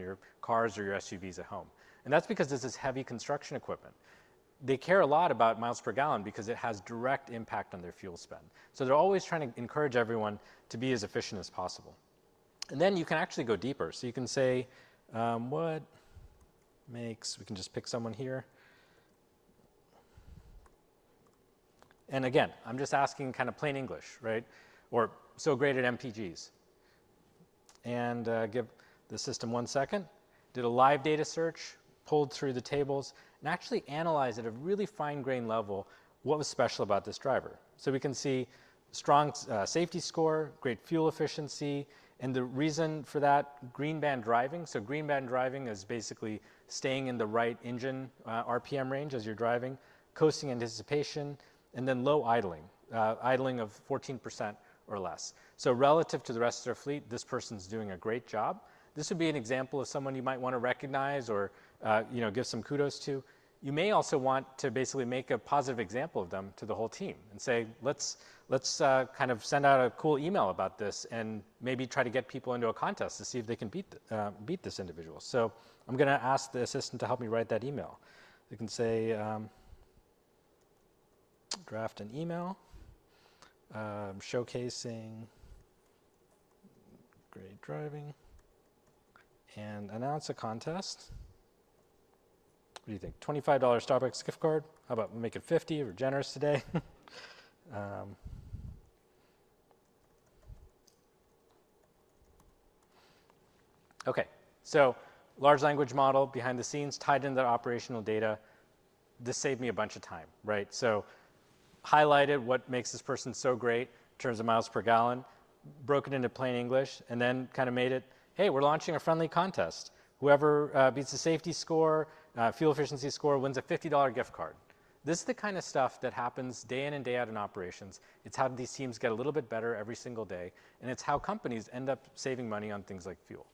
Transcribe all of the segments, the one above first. Your cars or your SUVs at home. That is because this is heavy construction equipment. They care a lot about miles per gallon because it has direct impact on their fuel spend. They are always trying to encourage everyone to be as efficient as possible. You can actually go deeper. You can say, "What makes?" We can just pick someone here. I am just asking kind of plain English, right? Or, "So great at MPGs." Give the system one second, did a live data search, pulled through the tables, and actually analyzed at a really fine-grained level what was special about this driver. We can see strong safety score, great fuel efficiency, and the reason for that, green band driving. Green band driving is basically staying in the right engine RPM range as you're driving, coasting anticipation, and then low idling, idling of 14% or less. Relative to the rest of their fleet, this person's doing a great job. This would be an example of someone you might want to recognize or give some kudos to. You may also want to basically make a positive example of them to the whole team and say, "Let's kind of send out a cool email about this and maybe try to get people into a contest to see if they can beat this individual." I'm going to ask the assistant to help me write that email. You can say, "Draft an email showcasing great driving and announce a contest." What do you think? $25 Starbucks gift card? How about we make it $50? We're generous today. Okay. Large language model behind the scenes tied into the operational data. This saved me a bunch of time, right? Highlighted what makes this person so great in terms of miles per gallon, broke it into plain English, and then kind of made it, "Hey, we're launching a friendly contest. Whoever beats the safety score, fuel efficiency score, wins a $50 gift card." This is the kind of stuff that happens day in and day out in operations. It's how these teams get a little bit better every single day. It's how companies end up saving money on things like fuel.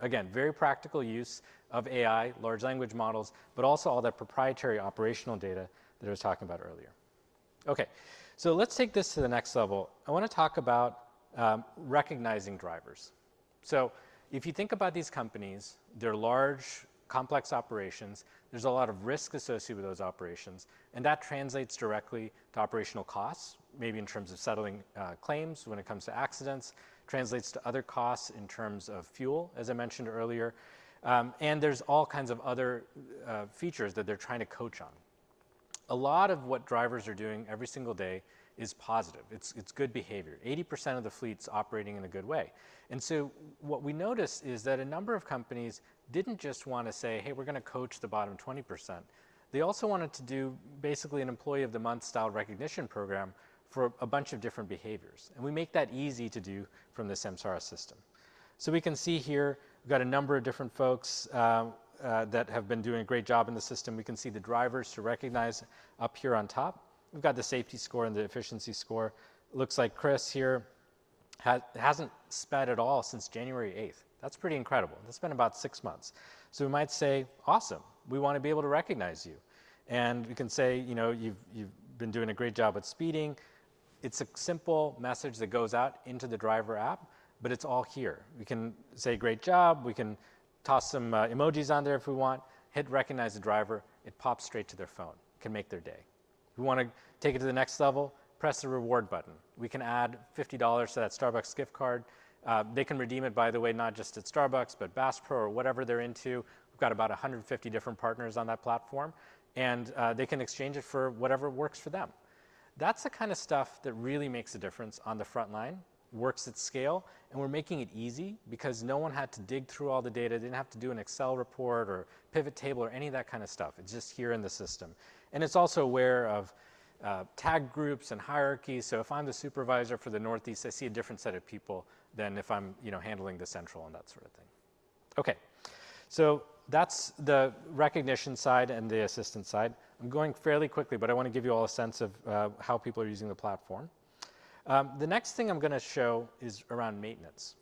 Again, very practical use of AI, large language models, but also all that proprietary operational data that I was talking about earlier. Okay. Let's take this to the next level. I want to talk about recognizing drivers. If you think about these companies, they're large, complex operations. There's a lot of risk associated with those operations. That translates directly to operational costs, maybe in terms of settling claims when it comes to accidents, translates to other costs in terms of fuel, as I mentioned earlier. There's all kinds of other features that they're trying to coach on. A lot of what drivers are doing every single day is positive. It's good behavior. 80% of the fleet's operating in a good way. What we noticed is that a number of companies didn't just want to say, "Hey, we're going to coach the bottom 20%." They also wanted to do basically an employee of the month style recognition program for a bunch of different behaviors. We make that easy to do from the Samsara system. We can see here we've got a number of different folks that have been doing a great job in the system. We can see the drivers to recognize up here on top. We've got the safety score and the efficiency score. Looks like Chris here hasn't sped at all since January 8th. That's pretty incredible. That's been about six months. We might say, "Awesome. We want to be able to recognize you." We can say, "You've been doing a great job at speeding." It's a simple message that goes out into the Driver App, but it's all here. We can say, "Great job." We can toss some emojis on there if we want. Hit recognize the driver. It pops straight to their phone. It can make their day. We want to take it to the next level. Press the reward button. We can add $50 to that Starbucks gift card. They can redeem it, by the way, not just at Starbucks, but Bass Pro or whatever they're into. We've got about 150 different partners on that platform. And they can exchange it for whatever works for them. That's the kind of stuff that really makes a difference on the front line, works at scale, and we're making it easy because no one had to dig through all the data. They didn't have to do an Excel report or pivot table or any of that kind of stuff. It's just here in the system. It's also aware of tag groups and hierarchies. If I'm the supervisor for the Northeast, I see a different set of people than if I'm handling the central and that sort of thing. Okay. That's the recognition side and the assistant side. I'm going fairly quickly, but I want to give you all a sense of how people are using the platform. The next thing I'm going to show is around maintenance.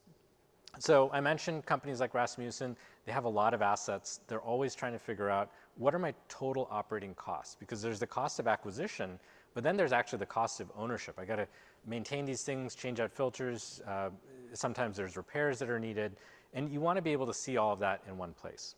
I mentioned companies like Rasmussen. They have a lot of assets. They're always trying to figure out, "What are my total operating costs?" Because there's the cost of acquisition, but then there's actually the cost of ownership. I got to maintain these things, change out filters. Sometimes there's repairs that are needed. You want to be able to see all of that in one place.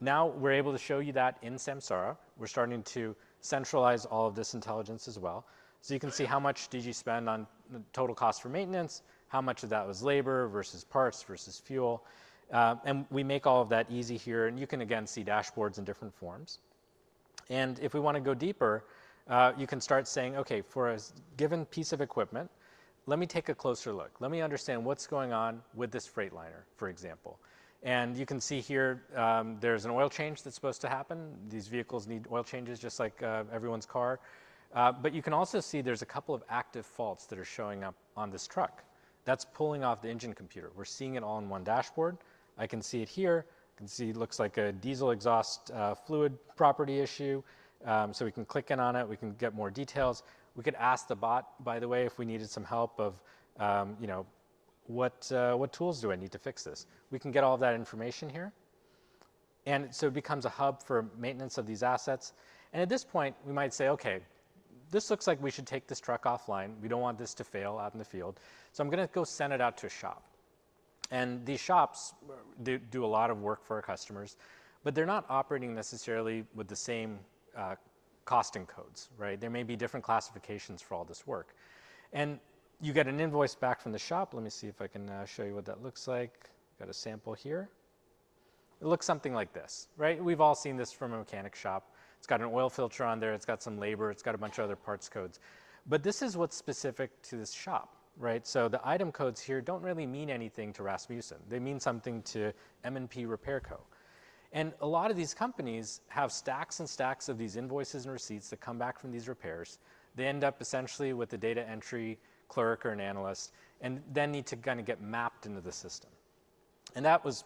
Now we're able to show you that in Samsara. We're starting to centralize all of this intelligence as well. You can see how much did you spend on total cost for maintenance, how much of that was labor versus parts versus fuel. We make all of that easy here. You can again see dashboards in different forms. If we want to go deeper, you can start saying, "Okay, for a given piece of equipment, let me take a closer look. Let me understand what's going on with this Freightliner, for example." You can see here there's an oil change that's supposed to happen. These vehicles need oil changes just like everyone's car. You can also see there's a couple of active faults that are showing up on this truck. That's pulling off the engine computer. We're seeing it all in one dashboard. I can see it here. I can see it looks like a diesel exhaust fluid property issue. We can click in on it. We can get more details. We could ask the bot, by the way, if we needed some help of, "What tools do I need to fix this?" We can get all of that information here. It becomes a hub for maintenance of these assets. At this point, we might say, "Okay, this looks like we should take this truck offline. We do not want this to fail out in the field. I am going to go send it out to a shop." These shops do a lot of work for our customers, but they are not operating necessarily with the same costing codes, right? There may be different classifications for all this work. You get an invoice back from the shop. Let me see if I can show you what that looks like. Got a sample here. It looks something like this, right? We have all seen this from a mechanic shop. It's got an oil filter on there. It's got some labor. It's got a bunch of other parts codes. This is what's specific to this shop, right? The item codes here don't really mean anything to Rasmussen. They mean something to M&P Repair Co. A lot of these companies have stacks and stacks of these invoices and receipts that come back from these repairs. They end up essentially with the data entry clerk or an analyst and then need to kind of get mapped into the system. That was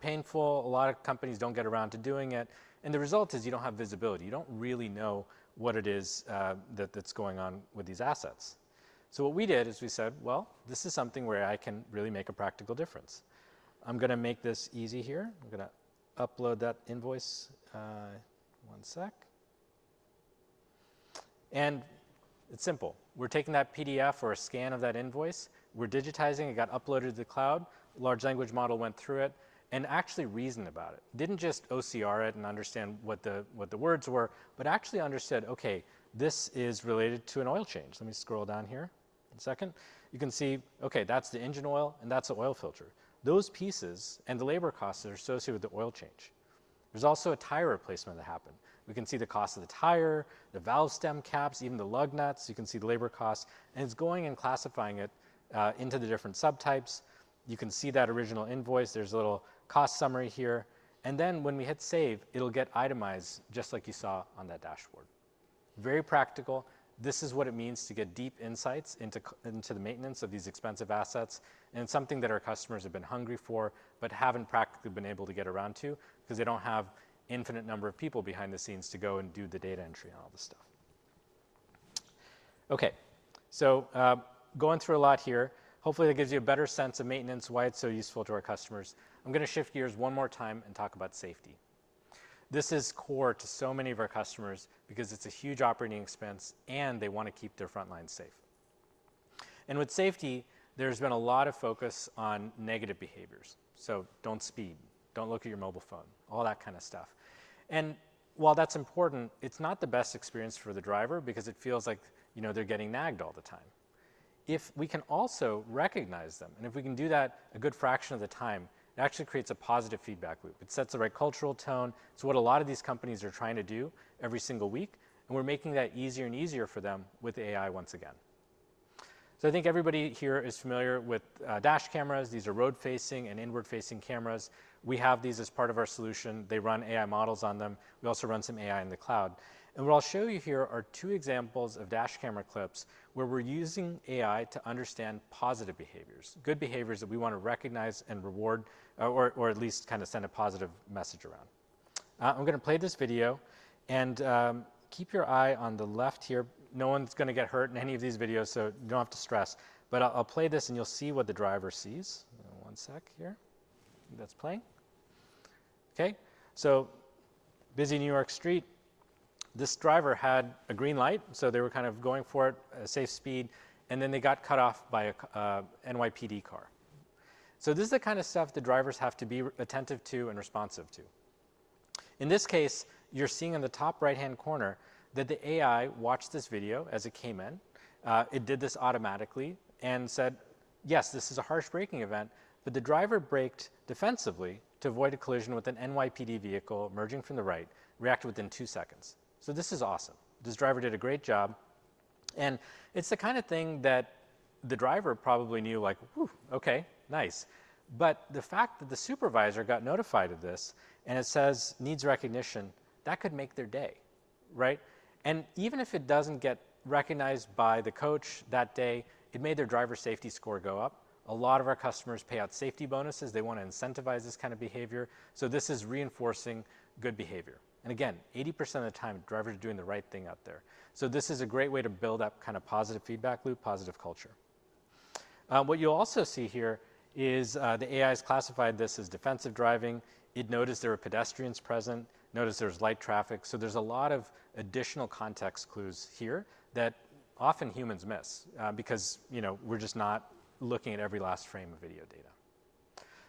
painful. A lot of companies don't get around to doing it. The result is you don't have visibility. You don't really know what it is that's going on with these assets. What we did is we said, "This is something where I can really make a practical difference. I'm going to make this easy here. I'm going to upload that invoice. One sec. It's simple. We're taking that PDF or a scan of that invoice. We're digitizing it. It got uploaded to the cloud. Large language model went through it and actually reasoned about it. Didn't just OCR it and understand what the words were, but actually understood, "Okay, this is related to an oil change." Let me scroll down here in a second. You can see, "Okay, that's the engine oil and that's the oil filter." Those pieces and the labor costs that are associated with the oil change. There's also a tire replacement that happened. We can see the cost of the tire, the valve stem caps, even the lug nuts. You can see the labor costs. It's going and classifying it into the different subtypes. You can see that original invoice. There's a little cost summary here. And then when we hit save, it'll get itemized just like you saw on that dashboard. Very practical. This is what it means to get deep insights into the maintenance of these expensive assets and something that our customers have been hungry for but haven't practically been able to get around to because they don't have an infinite number of people behind the scenes to go and do the data entry and all this stuff. Okay. So going through a lot here, hopefully that gives you a better sense of maintenance, why it's so useful to our customers. I'm going to shift gears one more time and talk about safety. This is core to so many of our customers because it's a huge operating expense and they want to keep their front line safe. With safety, there's been a lot of focus on negative behaviors. Do not speed. Do not look at your mobile phone. All that kind of stuff. While that's important, it's not the best experience for the driver because it feels like they're getting nagged all the time. If we can also recognize them, and if we can do that a good fraction of the time, it actually creates a positive feedback loop. It sets the right cultural tone. It's what a lot of these companies are trying to do every single week. We're making that easier and easier for them with AI once again. I think everybody here is familiar with dash cameras. These are road-facing and inward-facing cameras. We have these as part of our solution. They run AI models on them. We also run some AI in the cloud. What I'll show you here are two examples of dash camera clips where we're using AI to understand positive behaviors, good behaviors that we want to recognize and reward or at least kind of send a positive message around. I'm going to play this video and keep your eye on the left here. No one's going to get hurt in any of these videos, so you don't have to stress. I'll play this and you'll see what the driver sees. One sec here. That's playing. Okay. Busy New York Street. This driver had a green light, so they were kind of going for it, a safe speed, and then they got cut off by a NYPD car. This is the kind of stuff the drivers have to be attentive to and responsive to. In this case, you're seeing in the top right-hand corner that the AI watched this video as it came in. It did this automatically and said, "Yes, this is a harsh braking event," but the driver braked defensively to avoid a collision with an NYPD vehicle emerging from the right, reacted within two seconds. This is awesome. This driver did a great job. It's the kind of thing that the driver probably knew like, "Woo, okay, nice." The fact that the supervisor got notified of this and it says needs recognition, that could make their day, right? Even if it doesn't get recognized by the coach that day, it made their driver safety score go up. A lot of our customers pay out safety bonuses. They want to incentivize this kind of behavior. This is reinforcing good behavior. Again, 80% of the time drivers are doing the right thing out there. This is a great way to build up kind of positive feedback loop, positive culture. What you'll also see here is the AI has classified this as defensive driving. It noticed there were pedestrians present, noticed there was light traffic. There are a lot of additional context clues here that often humans miss because we're just not looking at every last frame of video data.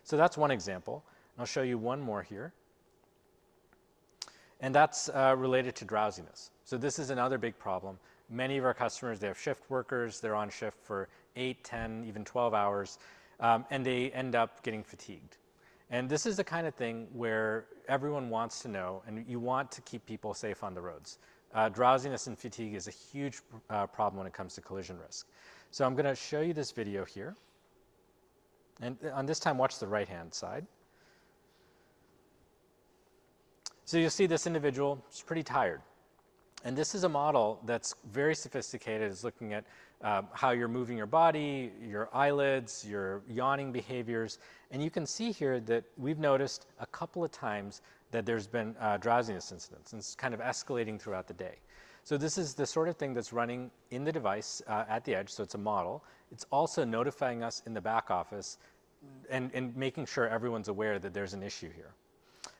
That's one example. I'll show you one more here. That's related to drowsiness. This is another big problem. Many of our customers, they have shift workers. They're on shift for eight hours, 10 hours, even 12 hours, and they end up getting fatigued. This is the kind of thing where everyone wants to know, and you want to keep people safe on the roads. Drowsiness and fatigue is a huge problem when it comes to collision risk. I'm going to show you this video here. On this time, watch the right-hand side. You'll see this individual. He's pretty tired. This is a model that's very sophisticated. It's looking at how you're moving your body, your eyelids, your yawning behaviors. You can see here that we've noticed a couple of times that there's been drowsiness incidents, and it's kind of escalating throughout the day. This is the sort of thing that's running in the device at the edge. It's a model. It's also notifying us in the back office and making sure everyone's aware that there's an issue here.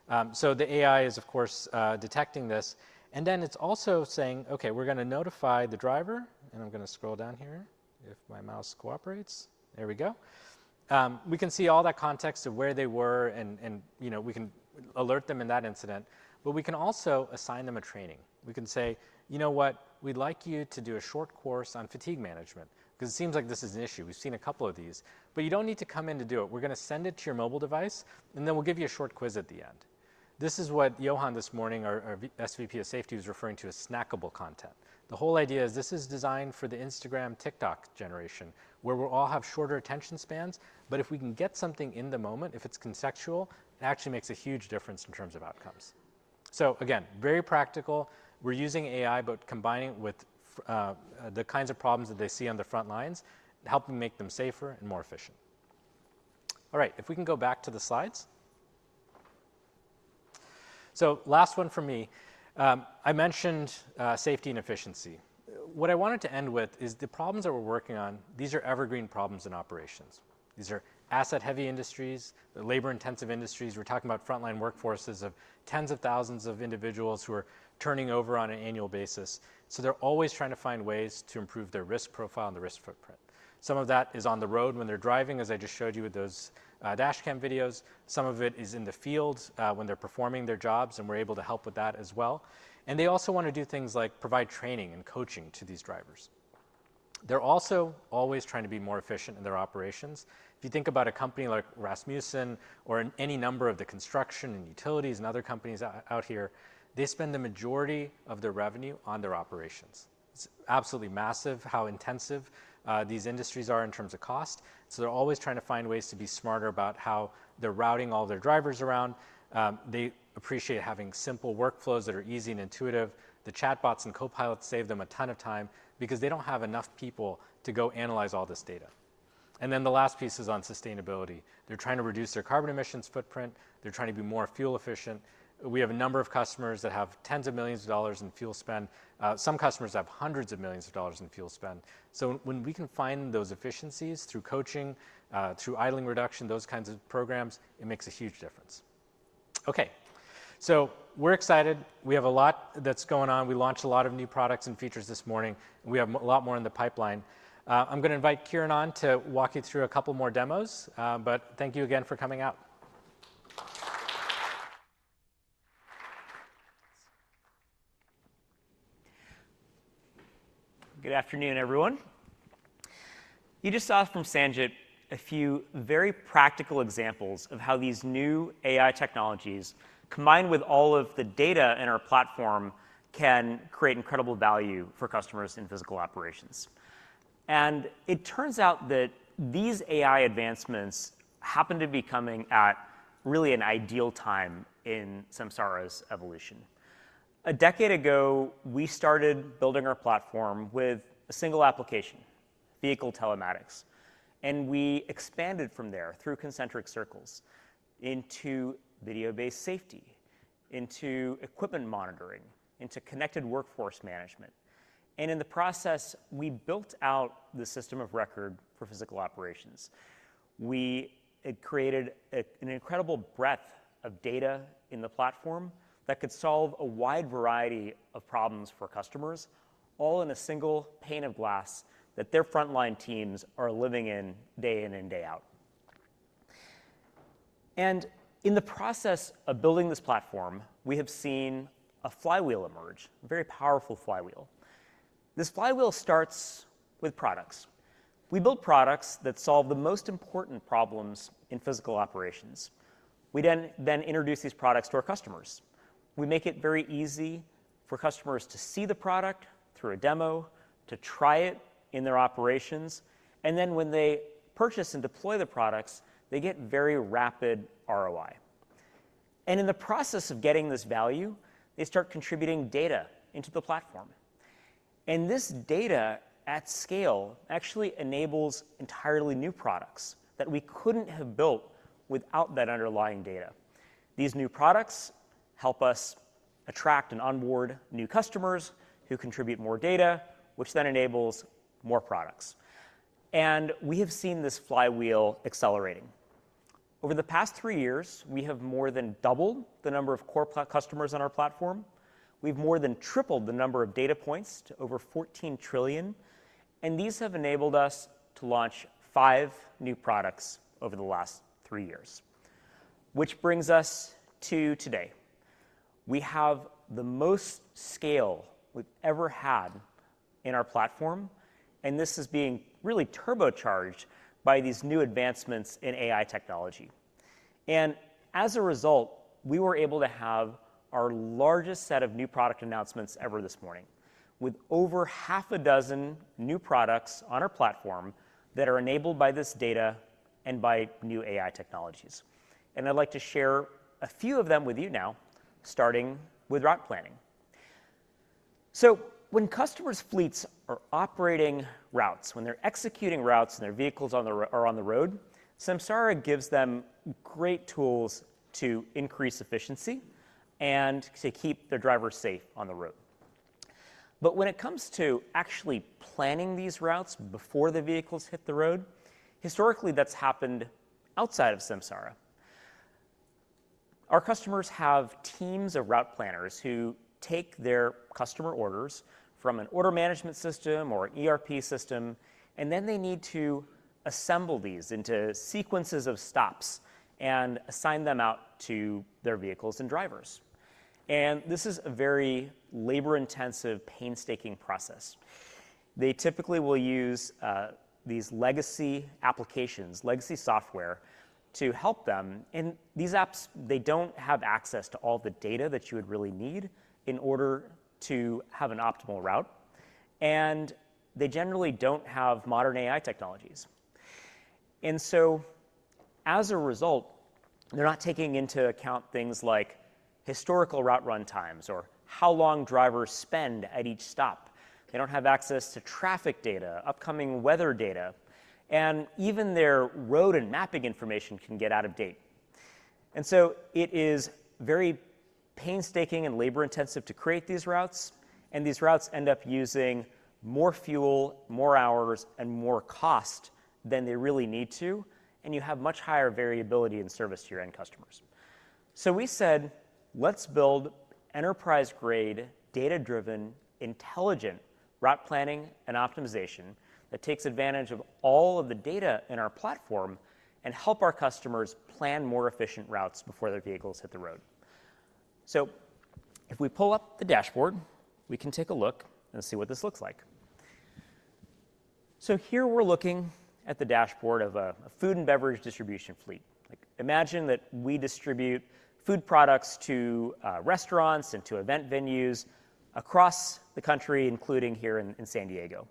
The AI is, of course, detecting this. It is also saying, "Okay, we're going to notify the driver." I am going to scroll down here if my mouse cooperates. There we go. We can see all that context of where they were, and we can alert them in that incident. We can also assign them a training. We can say, "You know what? We'd like you to do a short course on fatigue management because it seems like this is an issue. We've seen a couple of these. You do not need to come in to do it. We're going to send it to your mobile device, and then we'll give you a short quiz at the end." This is what Johan this morning, our SVP of Safety, was referring to as snackable content. The whole idea is this is designed for the Instagram, TikTok generation where we all have shorter attention spans. If we can get something in the moment, if it's contextual, it actually makes a huge difference in terms of outcomes. Again, very practical. We're using AI, but combining it with the kinds of problems that they see on the front lines helps make them safer and more efficient. All right. If we can go back to the slides. Last one for me. I mentioned safety and efficiency. What I wanted to end with is the problems that we're working on. These are evergreen problems in operations. These are asset-heavy industries, labor-intensive industries. We're talking about frontline workforces of tens of thousands of individuals who are turning over on an annual basis. They're always trying to find ways to improve their risk profile and the risk footprint. Some of that is on the road when they're driving, as I just showed you with those dash cam videos. Some of it is in the field when they're performing their jobs, and we're able to help with that as well. They also want to do things like provide training and coaching to these drivers. They're also always trying to be more efficient in their operations. If you think about a company like Rasmussen or any number of the construction and utilities and other companies out here, they spend the majority of their revenue on their operations. It's absolutely massive how intensive these industries are in terms of cost. They are always trying to find ways to be smarter about how they're routing all their drivers around. They appreciate having simple workflows that are easy and intuitive. The chatbots and Copilots save them a ton of time because they do not have enough people to go analyze all this data. The last piece is on sustainability. They are trying to reduce their carbon emissions footprint. They are trying to be more fuel efficient. We have a number of customers that have tens of millions of dollars in fuel spend. Some customers have hundreds of millions of dollars in fuel spend. When we can find those efficiencies through coaching, through idling reduction, those kinds of programs, it makes a huge difference. Okay. We are excited. We have a lot that is going on. We launched a lot of new products and features this morning. We have a lot more in the pipeline. I am going to invite Kiren on to walk you through a couple more demos. Thank you again for coming out. Good afternoon, everyone. You just saw from Sanjit a few very practical examples of how these new AI technologies combined with all of the data in our platform can create incredible value for customers in physical operations. It turns out that these AI advancements happen to be coming at really an ideal time in Samsara's evolution. A decade ago, we started building our platform with a single application, vehicle telematics. We expanded from there through concentric circles into video-based safety, into equipment monitoring, into connected workforce management. In the process, we built out the system of record for physical operations. We created an incredible breadth of data in the platform that could solve a wide variety of problems for customers, all in a single pane of glass that their frontline teams are living in day in and day out. In the process of building this platform, we have seen a flywheel emerge, a very powerful flywheel. This flywheel starts with products. We build products that solve the most important problems in physical operations. We then introduce these products to our customers. We make it very easy for customers to see the product through a demo, to try it in their operations. When they purchase and deploy the products, they get very rapid ROI. In the process of getting this value, they start contributing data into the platform. This data at scale actually enables entirely new products that we couldn't have built without that underlying data. These new products help us attract and onboard new customers who contribute more data, which then enables more products. We have seen this flywheel accelerating. Over the past three years, we have more than doubled the number of core customers on our platform. We've more than tripled the number of data points to over 14 trillion. These have enabled us to launch five new products over the last three years, which brings us to today. We have the most scale we've ever had in our platform, and this is being really turbocharged by these new advancements in AI technology. As a result, we were able to have our largest set of new product announcements ever this morning with over half a dozen new products on our platform that are enabled by this data and by new AI technologies. I'd like to share a few of them with you now, starting with route planning. When customers' fleets are operating routes, when they're executing routes and their vehicles are on the road, Samsara gives them great tools to increase efficiency and to keep their drivers safe on the road. When it comes to actually planning these routes before the vehicles hit the road, historically, that's happened outside of Samsara. Our customers have teams of route planners who take their customer orders from an order management system or an ERP system, and then they need to assemble these into sequences of stops and assign them out to their vehicles and drivers. This is a very labor-intensive, painstaking process. They typically will use these legacy applications, legacy software to help them. These apps, they don't have access to all the data that you would really need in order to have an optimal route. They generally don't have modern AI technologies. As a result, they're not taking into account things like historical route run times or how long drivers spend at each stop. They don't have access to traffic data, upcoming weather data, and even their road and mapping information can get out of date. It is very painstaking and labor-intensive to create these routes. These routes end up using more fuel, more hours, and more cost than they really need to, and you have much higher variability in service to your end customers. We said, "Let's build enterprise-grade, data-driven, intelligent route planning and optimization that takes advantage of all of the data in our platform and helps our customers plan more efficient routes before their vehicles hit the road." If we pull up the dashboard, we can take a look and see what this looks like. Here we're looking at the dashboard of a food and beverage distribution fleet. Imagine that we distribute food products to restaurants and to event venues across the country, including here in San Diego.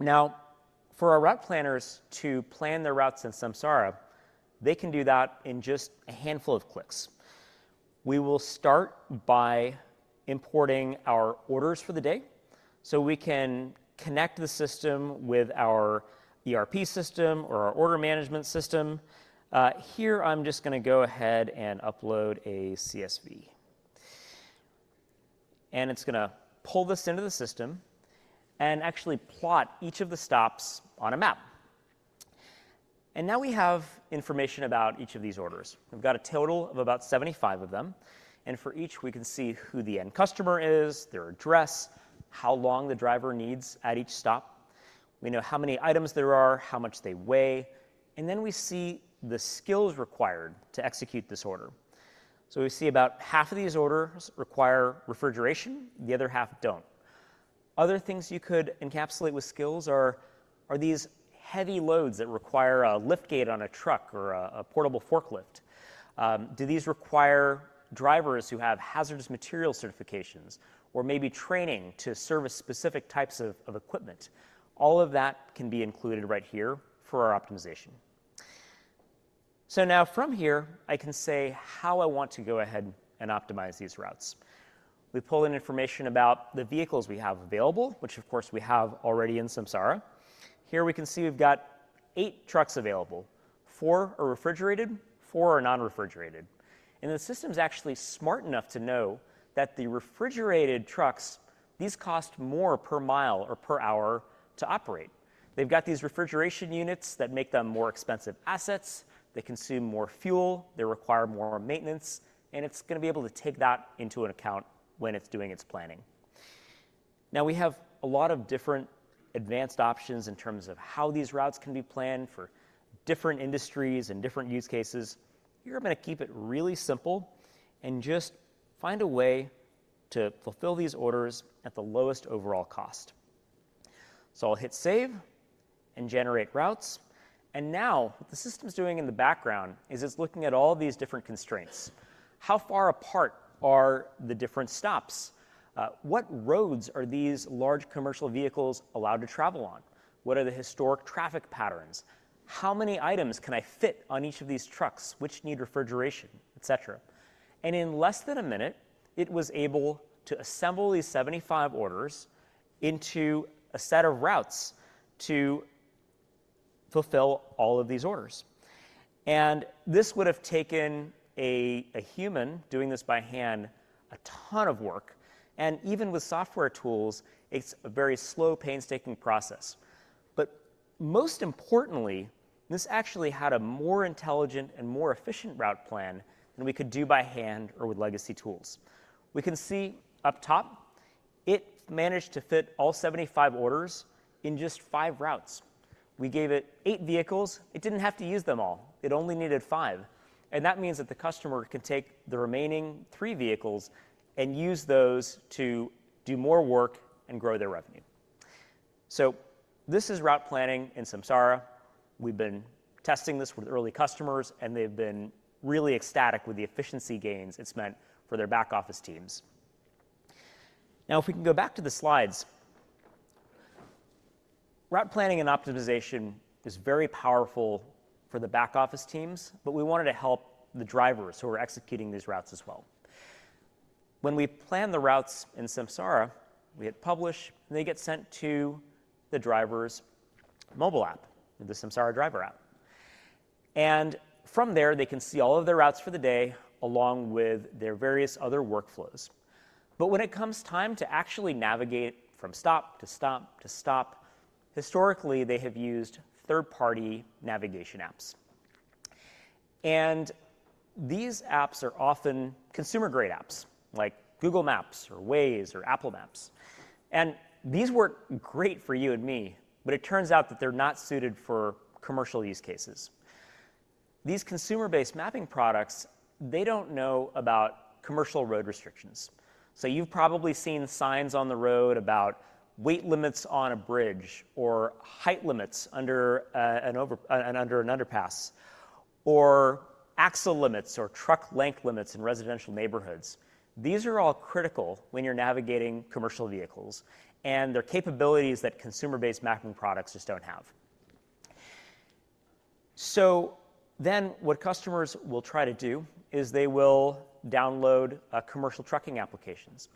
Now, for our route planners to plan their routes in Samsara, they can do that in just a handful of clicks. We will start by importing our orders for the day so we can connect the system with our ERP system or our order management system. Here, I'm just going to go ahead and upload a CSV. It's going to pull this into the system and actually plot each of the stops on a map. Now we have information about each of these orders. We've got a total of about 75 of them. For each, we can see who the end customer is, their address, how long the driver needs at each stop. We know how many items there are, how much they weigh. We see the skills required to execute this order. We see about half of these orders require refrigeration. The other half do not. Other things you could encapsulate with skills are these heavy loads that require a liftgate on a truck or a portable forklift. Do these require drivers who have hazardous material certifications or maybe training to service specific types of equipment? All of that can be included right here for our optimization. From here, I can say how I want to go ahead and optimize these routes. We pull in information about the vehicles we have available, which, of course, we have already in Samsara. Here we can see we have eight trucks available, four are refrigerated, four are non-refrigerated. The system's actually smart enough to know that the refrigerated trucks, these cost more per mile or per hour to operate. They've got these refrigeration units that make them more expensive assets. They consume more fuel. They require more maintenance. It's going to be able to take that into account when it's doing its planning. Now, we have a lot of different advanced options in terms of how these routes can be planned for different industries and different use cases. Here, I'm going to keep it really simple and just find a way to fulfill these orders at the lowest overall cost. I'll hit save and generate routes. Now what the system's doing in the background is it's looking at all these different constraints. How far apart are the different stops? What roads are these large commercial vehicles allowed to travel on? What are the historic traffic patterns? How many items can I fit on each of these trucks which need refrigeration, etc.? In less than a minute, it was able to assemble these 75 orders into a set of routes to fulfill all of these orders. This would have taken a human doing this by hand a ton of work. Even with software tools, it is a very slow, painstaking process. Most importantly, this actually had a more intelligent and more efficient route plan than we could do by hand or with legacy tools. We can see up top, it managed to fit all 75 orders in just five routes. We gave it eight vehicles. It did not have to use them all. It only needed five. That means that the customer can take the remaining three vehicles and use those to do more work and grow their revenue. This is route planning in Samsara. We've been testing this with early customers, and they've been really ecstatic with the efficiency gains it's meant for their back office teams. If we can go back to the slides, route planning and optimization is very powerful for the back office teams, but we wanted to help the drivers who are executing these routes as well. When we plan the routes in Samsara, we hit publish, and they get sent to the driver's mobile app, the Samsara Driver App. From there, they can see all of their routes for the day along with their various other workflows. When it comes time to actually navigate from stop to stop to stop, historically, they have used third-party navigation apps. These apps are often consumer-grade apps like Google Maps or Waze or Apple Maps. These work great for you and me, but it turns out that they're not suited for commercial use cases. These consumer-based mapping products, they don't know about commercial road restrictions. You've probably seen signs on the road about weight limits on a bridge or height limits under an underpass or axle limits or truck length limits in residential neighborhoods. These are all critical when you're navigating commercial vehicles and they're capabilities that consumer-based mapping products just don't have. What customers will try to do is they will download commercial trucking applications.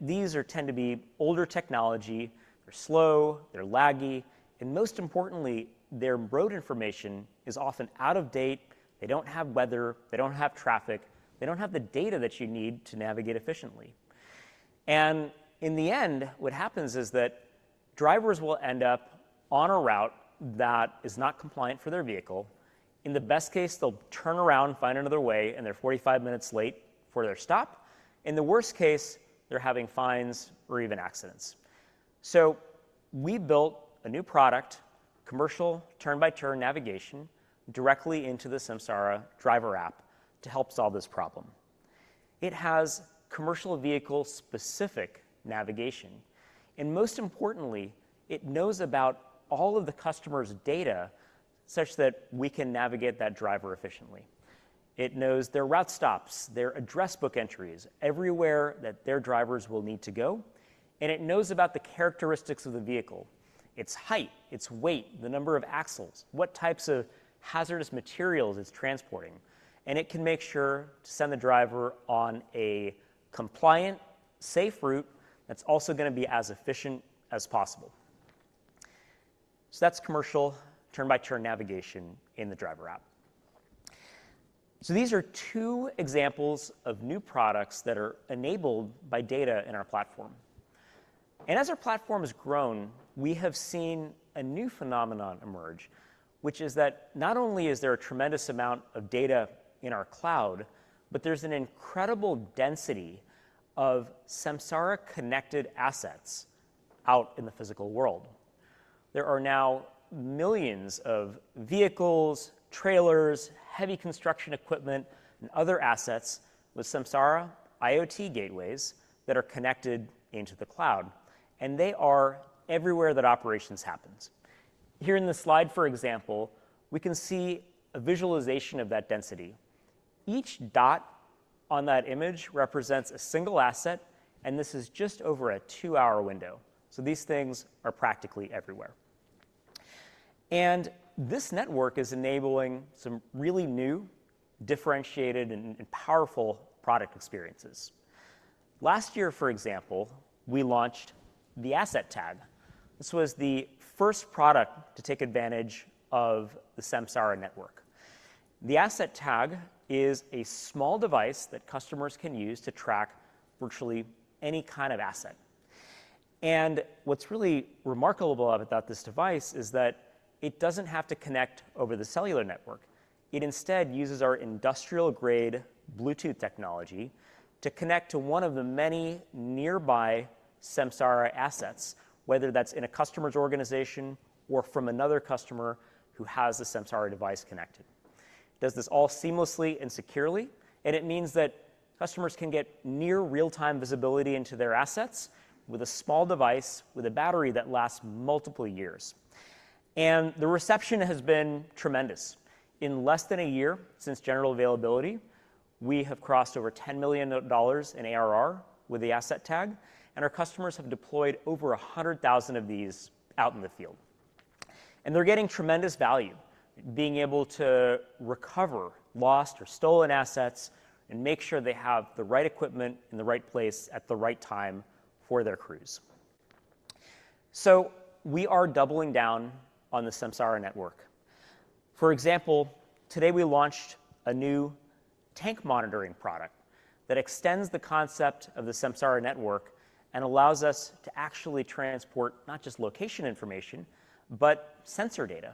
These tend to be older technology. They're slow. They're laggy. Most importantly, their road information is often out of date. They do not have weather. They do not have traffic. They do not have the data that you need to navigate efficiently. In the end, what happens is that drivers will end up on a route that is not compliant for their vehicle. In the best case, they will turn around, find another way, and they are 45 minutes late for their stop. In the worst case, they are having fines or even accidents. We built a new product, Commercial Turn-by-Turn Navigation, directly into the Samsara Driver App to help solve this problem. It has commercial vehicle-specific navigation. Most importantly, it knows about all of the customer's data such that we can navigate that driver efficiently. It knows their route stops, their address book entries, everywhere that their drivers will need to go. It knows about the characteristics of the vehicle, its height, its weight, the number of axles, what types of hazardous materials it's transporting. It can make sure to send the driver on a compliant, safe route that's also going to be as efficient as possible. That is commercial turn-by-turn navigation in the Driver App. These are two examples of new products that are enabled by data in our platform. As our platform has grown, we have seen a new phenomenon emerge, which is that not only is there a tremendous amount of data in our cloud, but there is an incredible density of Samsara-connected assets out in the physical world. There are now millions of vehicles, trailers, heavy construction equipment, and other assets with Samsara IoT gateways that are connected into the cloud. They are everywhere that operations happen. Here in the slide, for example, we can see a visualization of that density. Each dot on that image represents a single asset, and this is just over a two-hour window. These things are practically everywhere. This network is enabling some really new, differentiated, and powerful product experiences. Last year, for example, we launched the Asset Tag. This was the first product to take advantage of the Samsara network. The Asset Tag is a small device that customers can use to track virtually any kind of asset. What's really remarkable about this device is that it does not have to connect over the cellular network. It instead uses our industrial-grade Bluetooth technology to connect to one of the many nearby Samsara assets, whether that is in a customer's organization or from another customer who has a Samsara device connected. It does this all seamlessly and securely. It means that customers can get near real-time visibility into their assets with a small device with a battery that lasts multiple years. The reception has been tremendous. In less than a year since general availability, we have crossed over $10 million in ARR with the Asset Tag. Our customers have deployed over 100,000 of these out in the field. They are getting tremendous value, being able to recover lost or stolen assets and make sure they have the right equipment in the right place at the right time for their crews. We are doubling down on the Samsara network. For example, today we launched a new tank monitoring product that extends the concept of the Samsara network and allows us to actually transport not just location information, but sensor data.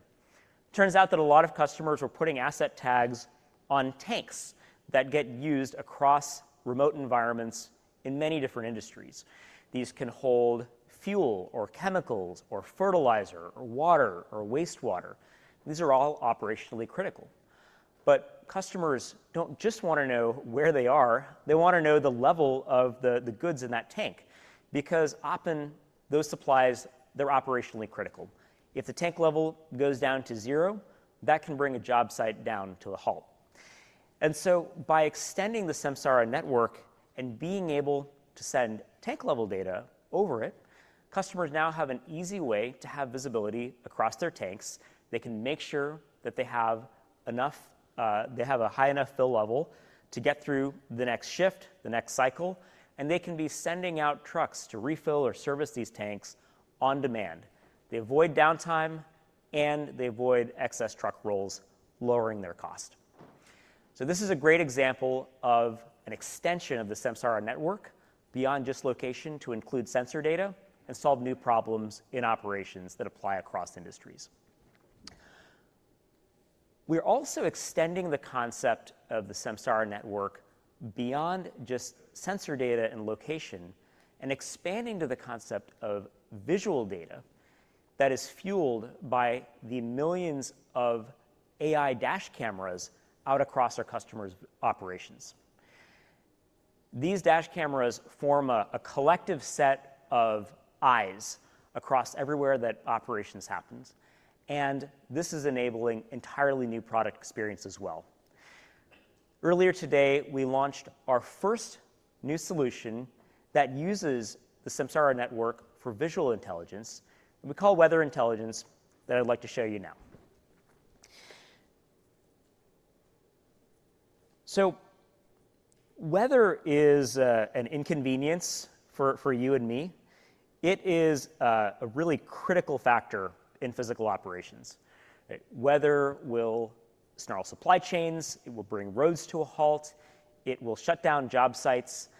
Turns out that a lot of customers were putting Asset Tags on tanks that get used across remote environments in many different industries. These can hold fuel or chemicals or fertilizer or water or wastewater. These are all operationally critical. Customers do not just want to know where they are. They want to know the level of the goods in that tank because often those supplies, they are operationally critical. If the tank level goes down to zero, that can bring a job site down to a halt. By extending the Samsara network and being able to send tank-level data over it, customers now have an easy way to have visibility across their tanks. They can make sure that they have enough, they have a high enough fill level to get through the next shift, the next cycle. They can be sending out trucks to refill or service these tanks on demand. They avoid downtime, and they avoid excess truck rolls, lowering their cost. This is a great example of an extension of the Samsara network beyond just location to include sensor data and solve new problems in operations that apply across industries. We're also extending the concept of the Samsara network beyond just sensor data and location and expanding to the concept of visual data that is fueled by the millions of AI Dash Cameras out across our customers' operations. These Dash Cameras form a collective set of eyes across everywhere that operations happen. This is enabling entirely new product experience as well. Earlier today, we launched our first new solution that uses the Samsara network for visual intelligence. We call it Weather Intelligence that I'd like to show you now. Weather is an inconvenience for you and me. It is a really critical factor in physical operations. Weather will snarl supply chains. It will bring roads to a halt. It will shut down job sites.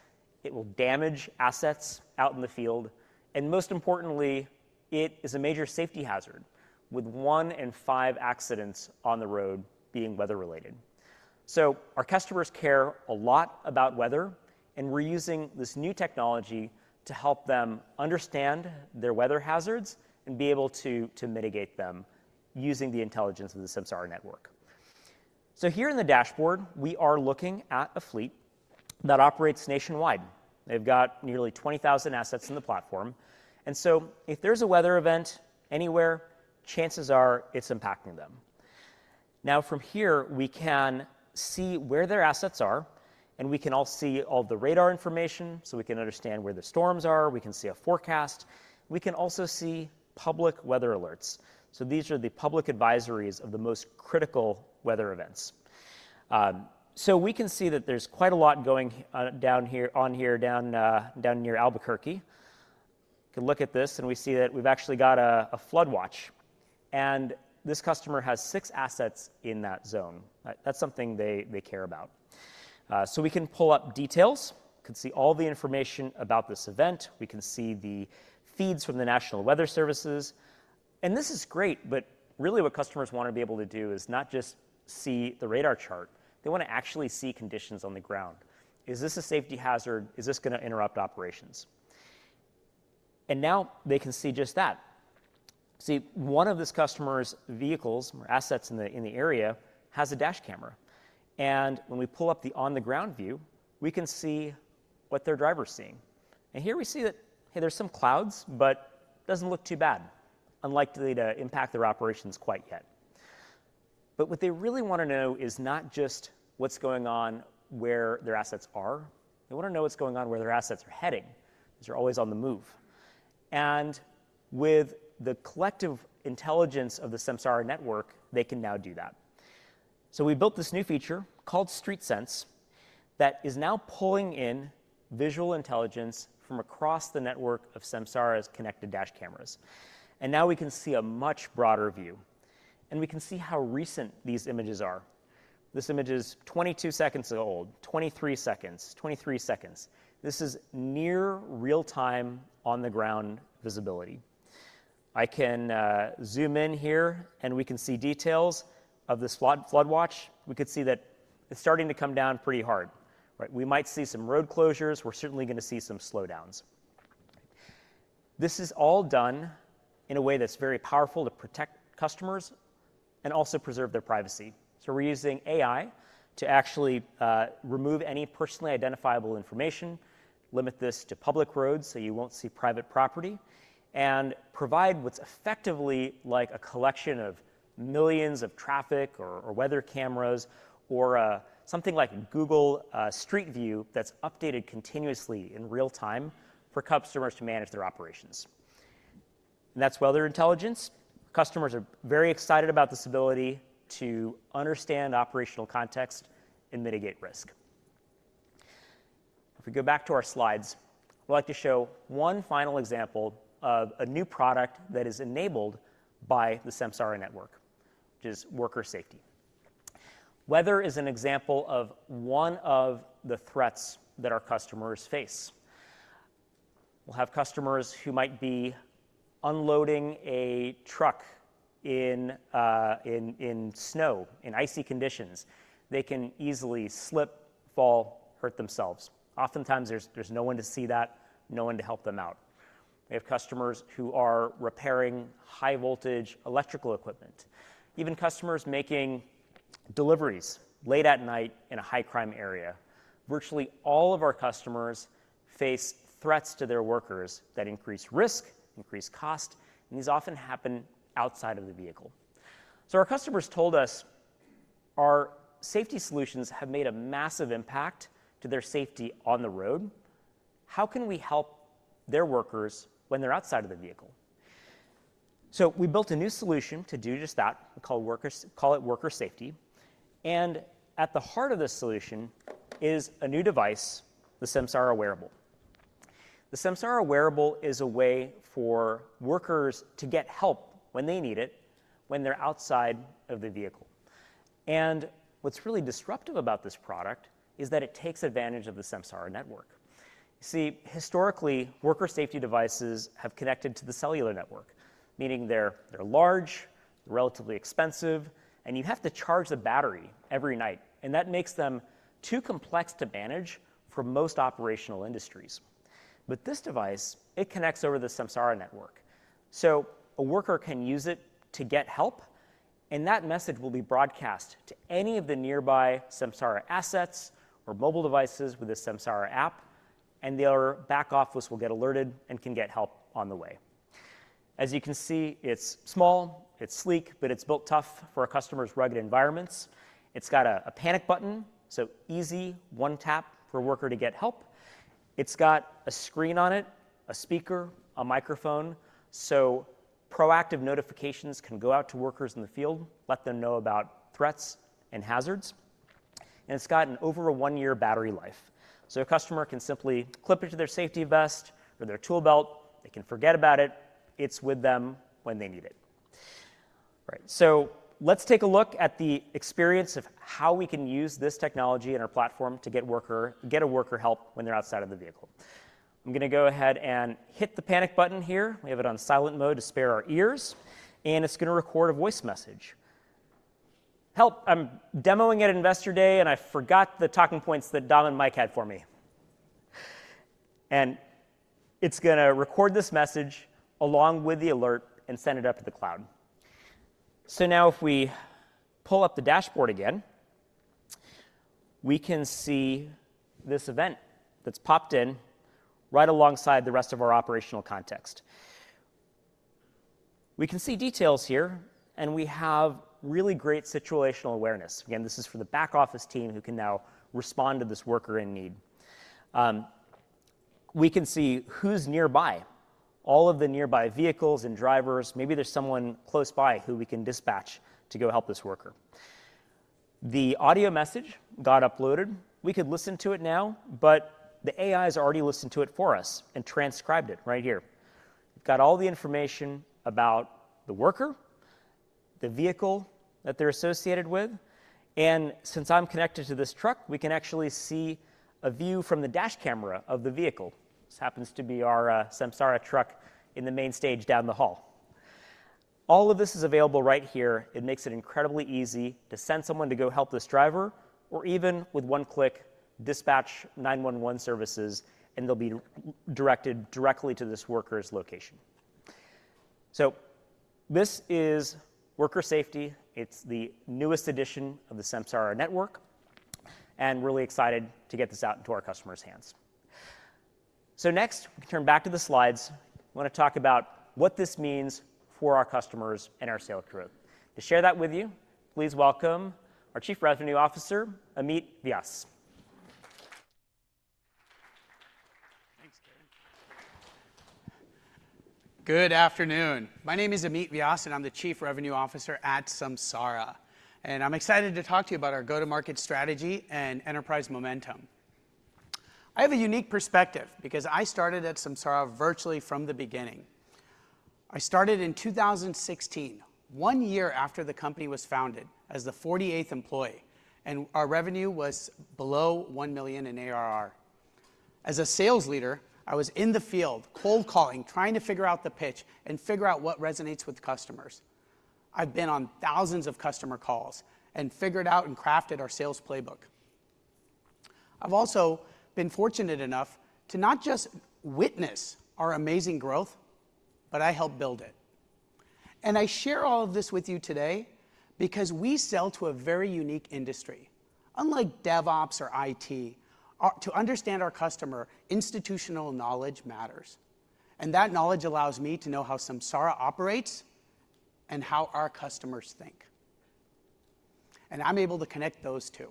It will damage assets out in the field. Most importantly, it is a major safety hazard with one in five accidents on the road being weather-related. Our customers care a lot about weather. We are using this new technology to help them understand their weather hazards and be able to mitigate them using the intelligence of the Samsara network. Here in the dashboard, we are looking at a fleet that operates nationwide. They have got nearly 20,000 assets in the platform. If there is a weather event anywhere, chances are it is impacting them. From here, we can see where their assets are. We can all see all the radar information so we can understand where the storms are. We can see a forecast. We can also see public weather alerts. These are the public advisories of the most critical weather events. We can see that there's quite a lot going on here down near Albuquerque. You can look at this, and we see that we've actually got a flood watch. This customer has six assets in that zone. That's something they care about. We can pull up details. We can see all the information about this event. We can see the feeds from the National Weather Services. This is great. Really, what customers want to be able to do is not just see the radar chart. They want to actually see conditions on the ground. Is this a safety hazard? Is this going to interrupt operations? Now they can see just that. See, one of this customer's vehicles or assets in the area has a dash camera. When we pull up the on-the-ground view, we can see what their driver's seeing. Here we see that, hey, there's some clouds, but it doesn't look too bad, unlikely to impact their operations quite yet. What they really want to know is not just what's going on where their assets are. They want to know what's going on where their assets are heading because they're always on the move. With the collective intelligence of the Samsara network, they can now do that. We built this new feature called StreetSense that is now pulling in visual intelligence from across the network of Samsara's connected dash cameras. Now we can see a much broader view. We can see how recent these images are. This image is 22 seconds old, 23 seconds, 23 seconds. This is near real-time on-the-ground visibility. I can zoom in here, and we can see details of this flood watch. We could see that it is starting to come down pretty hard. We might see some road closures. We are certainly going to see some slowdowns. This is all done in a way that is very powerful to protect customers and also preserve their privacy. We are using AI to actually remove any personally identifiable information, limit this to public roads so you will not see private property, and provide what is effectively like a collection of millions of traffic or weather cameras or something like Google StreetView that is updated continuously in real time for customers to manage their operations. That is Weather Intelligence. Customers are very excited about this ability to understand operational context and mitigate risk. If we go back to our slides, I'd like to show one final example of a new product that is enabled by the Samsara network, which is worker safety. Weather is an example of one of the threats that our customers face. We'll have customers who might be unloading a truck in snow, in icy conditions. They can easily slip, fall, hurt themselves. Oftentimes, there's no one to see that, no one to help them out. We have customers who are repairing high-voltage electrical equipment, even customers making deliveries late at night in a high-crime area. Virtually all of our customers face threats to their workers that increase risk, increase cost, and these often happen outside of the vehicle. Our customers told us our safety solutions have made a massive impact to their safety on the road. How can we help their workers when they're outside of the vehicle? We built a new solution to do just that. We call it Worker Safety. At the heart of this solution is a new device, the Samsara Wearable. The Samsara Wearable is a way for workers to get help when they need it when they're outside of the vehicle. What's really disruptive about this product is that it takes advantage of the Samsara network. You see, historically, worker safety devices have connected to the cellular network, meaning they're large, they're relatively expensive, and you have to charge the battery every night. That makes them too complex to manage for most operational industries. This device connects over the Samsara network. A worker can use it to get help. That message will be broadcast to any of the nearby Samsara assets or mobile devices with the Samsara app. Their back office will get alerted and can get help on the way. As you can see, it's small, it's sleek, but it's built tough for our customers' rugged environments. It's got a panic button, so easy one tap for a worker to get help. It's got a screen on it, a speaker, a microphone, so proactive notifications can go out to workers in the field, let them know about threats and hazards. It's got an over a one-year battery life. A customer can simply clip it to their safety vest or their tool belt. They can forget about it. It's with them when they need it. All right. Let's take a look at the experience of how we can use this technology in our platform to get a worker help when they're outside of the vehicle. I'm going to go ahead and hit the panic button here. We have it on silent mode to spare our ears. It's going to record a voice message. Help, I'm demoing at Investor Day, and I forgot the talking points that Dom and Mike had for me. It's going to record this message along with the alert and send it up to the cloud. Now if we pull up the dashboard again, we can see this event that's popped in right alongside the rest of our operational context. We can see details here, and we have really great situational awareness. This is for the back office team who can now respond to this worker in need. We can see who's nearby, all of the nearby vehicles and drivers. Maybe there's someone close by who we can dispatch to go help this worker. The audio message got uploaded. We could listen to it now, but the AI has already listened to it for us and transcribed it right here. We've got all the information about the worker, the vehicle that they're associated with. Since I'm connected to this truck, we can actually see a view from the dash camera of the vehicle. This happens to be our Samsara truck in the main stage down the hall. All of this is available right here. It makes it incredibly easy to send someone to go help this driver or even with one click, dispatch 911 services, and they'll be directed directly to this worker's location. This is Worker Safety. It's the newest addition of the Samsara network. We're really excited to get this out into our customers' hands. Next, we turn back to the slides. I want to talk about what this means for our customers and our sales crew. To share that with you, please welcome our Chief Revenue Officer, Amit Vyas. Thanks, Ken. Good afternoon. My name is Amit Vyas, and I'm the Chief Revenue Officer at Samsara. I'm excited to talk to you about our go-to-market strategy and enterprise momentum. I have a unique perspective because I started at Samsara virtually from the beginning. I started in 2016, one year after the company was founded, as the 48th employee. Our revenue was below $1 million in ARR. As a sales leader, I was in the field, cold calling, trying to figure out the pitch and figure out what resonates with customers. I've been on thousands of customer calls and figured out and crafted our sales playbook. I've also been fortunate enough to not just witness our amazing growth, but I helped build it. I share all of this with you today because we sell to a very unique industry. Unlike DevOps or IT, to understand our customer, institutional knowledge matters. That knowledge allows me to know how Samsara operates and how our customers think. I'm able to connect those two.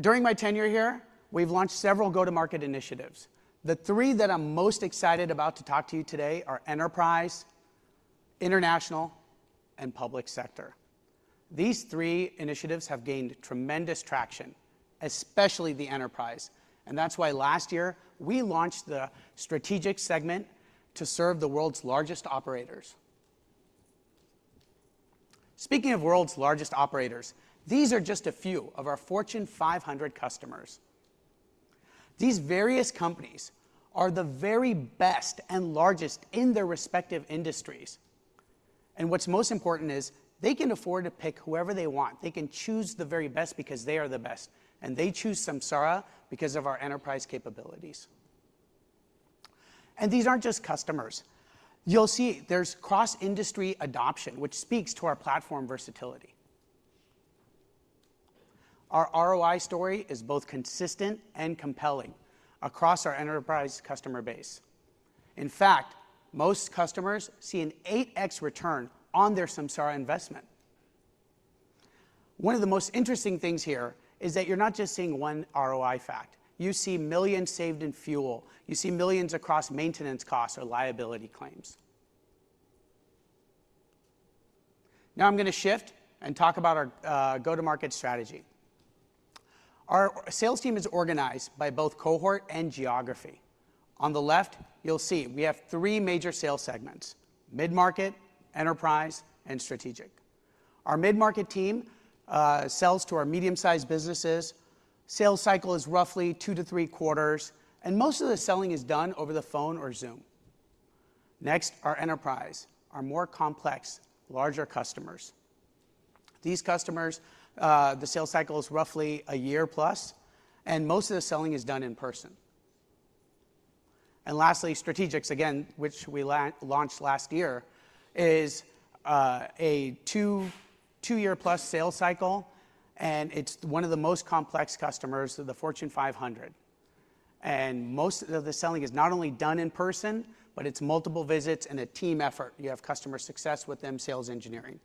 During my tenure here, we've launched several go-to-market initiatives. The three that I'm most excited about to talk to you today are enterprise, international, and public sector. These three initiatives have gained tremendous traction, especially the enterprise. That is why last year we launched the strategic segment to serve the world's largest operators. Speaking of world's largest operators, these are just a few of our Fortune 500 customers. These various companies are the very best and largest in their respective industries. What's most important is they can afford to pick whoever they want. They can choose the very best because they are the best. They choose Samsara because of our enterprise capabilities. These are not just customers. You'll see there is cross-industry adoption, which speaks to our platform versatility. Our ROI story is both consistent and compelling across our enterprise customer base. In fact, most customers see an 8X return on their Samsara investment. One of the most interesting things here is that you're not just seeing one ROI fact. You see millions saved in fuel. You see millions across maintenance costs or liability claims. Now I'm going to shift and talk about our go-to-market strategy. Our sales team is organized by both cohort and geography. On the left, you'll see we have three major sales segments: mid-market, enterprise, and strategic. Our mid-market team sells to our medium-sized businesses. Sales cycle is roughly two to three quarters. Most of the selling is done over the phone or Zoom. Next, our enterprise, our more complex, larger customers. These customers, the sales cycle is roughly a year plus. Most of the selling is done in person. Lastly, strategics, again, which we launched last year, is a two-year plus sales cycle. It is one of the most complex customers of the Fortune 500. Most of the selling is not only done in person, but it is multiple visits and a team effort. You have customer success with them, sales engineering.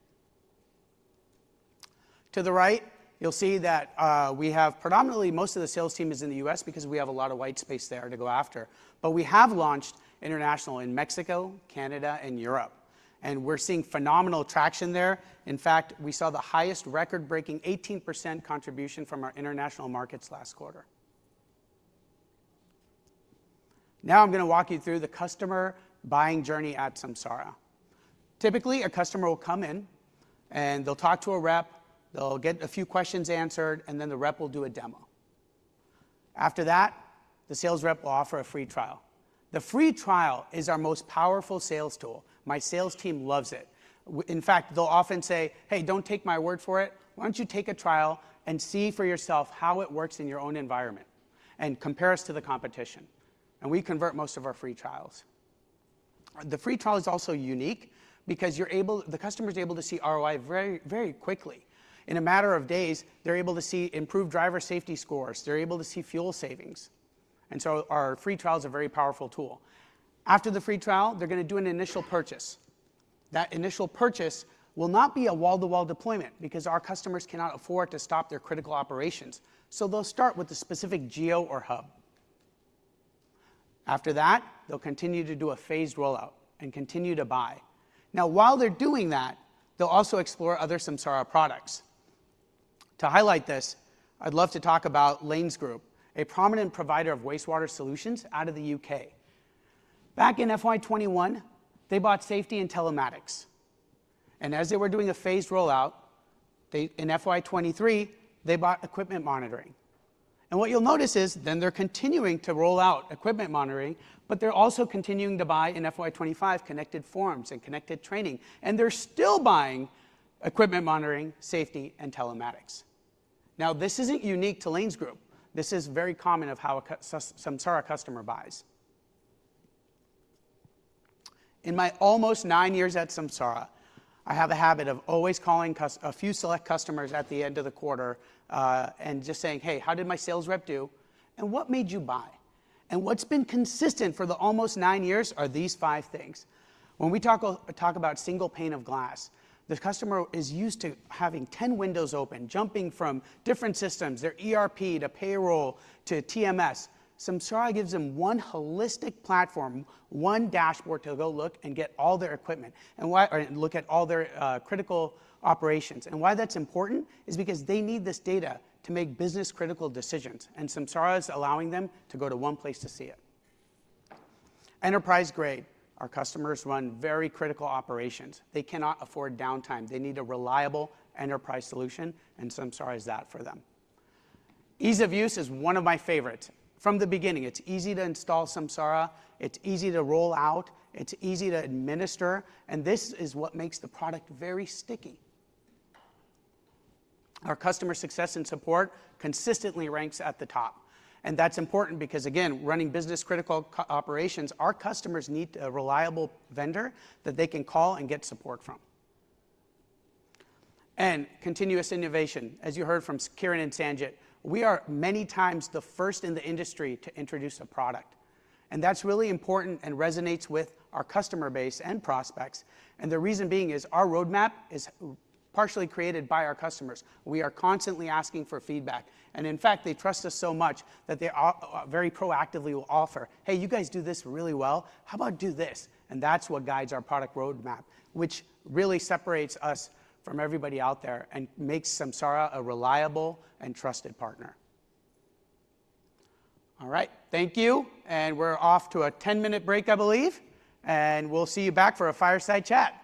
To the right, you'll see that we have predominantly most of the sales team is in the U.S. because we have a lot of white space there to go after. We have launched international in Mexico, Canada, and Europe. We're seeing phenomenal traction there. In fact, we saw the highest record-breaking 18% contribution from our international markets last quarter. Now I'm going to walk you through the customer buying journey at Samsara. Typically, a customer will come in, and they'll talk to a rep. They'll get a few questions answered, and then the rep will do a demo. After that, the sales rep will offer a free trial. The free trial is our most powerful sales tool. My sales team loves it. In fact, they'll often say, "Hey, don't take my word for it. Why don't you take a trial and see for yourself how it works in your own environment and compare us to the competition?" We convert most of our free trials. The free trial is also unique because the customer is able to see ROI very quickly. In a matter of days, they're able to see improved driver safety scores. They're able to see fuel savings. Our free trials are a very powerful tool. After the free trial, they're going to do an initial purchase. That initial purchase will not be a wall-to-wall deployment because our customers cannot afford to stop their critical operations. They'll start with a specific geo or hub. After that, they'll continue to do a phased rollout and continue to buy. While they're doing that, they'll also explore other Samsara products. To highlight this, I'd love to talk about Lanes Group, a prominent provider of wastewater solutions out of the U.K. Back in FY 2021, they bought safety and telematics. As they were doing a phased rollout, in FY 2023, they bought equipment monitoring. What you'll notice is they are continuing to roll out equipment monitoring, but they are also continuing to buy in FY 2025 connected forms and connected training. They are still buying equipment monitoring, safety, and telematics. This is not unique to Lanes Group. This is very common of how a Samsara customer buys. In my almost nine years at Samsara, I have a habit of always calling a few select customers at the end of the quarter and just saying, "Hey, how did my sales rep do? And what made you buy?" What's been consistent for the almost nine years are these five things. When we talk about single pane of glass, the customer is used to having 10 windows open, jumping from different systems, their ERP to payroll to TMS. Samsara gives them one holistic platform, one dashboard to go look and get all their equipment and look at all their critical operations. Why that's important is because they need this data to make business-critical decisions. Samsara is allowing them to go to one place to see it. Enterprise grade, our customers run very critical operations. They cannot afford downtime. They need a reliable enterprise solution. Samsara is that for them. Ease of use is one of my favorites. From the beginning, it's easy to install Samsara. It's easy to roll out. It's easy to administer. This is what makes the product very sticky. Our customer success and support consistently ranks at the top. That is important because, again, running business-critical operations, our customers need a reliable vendor that they can call and get support from. Continuous innovation. As you heard from Kiren and Sanjit, we are many times the first in the industry to introduce a product. That is really important and resonates with our customer base and prospects. The reason being is our roadmap is partially created by our customers. We are constantly asking for feedback. In fact, they trust us so much that they very proactively will offer, "Hey, you guys do this really well. How about do this?" That is what guides our product roadmap, which really separates us from everybody out there and makes Samsara a reliable and trusted partner. All right. Thank you. We are off to a 10-minute break, I believe. We will see you back for a fireside chat.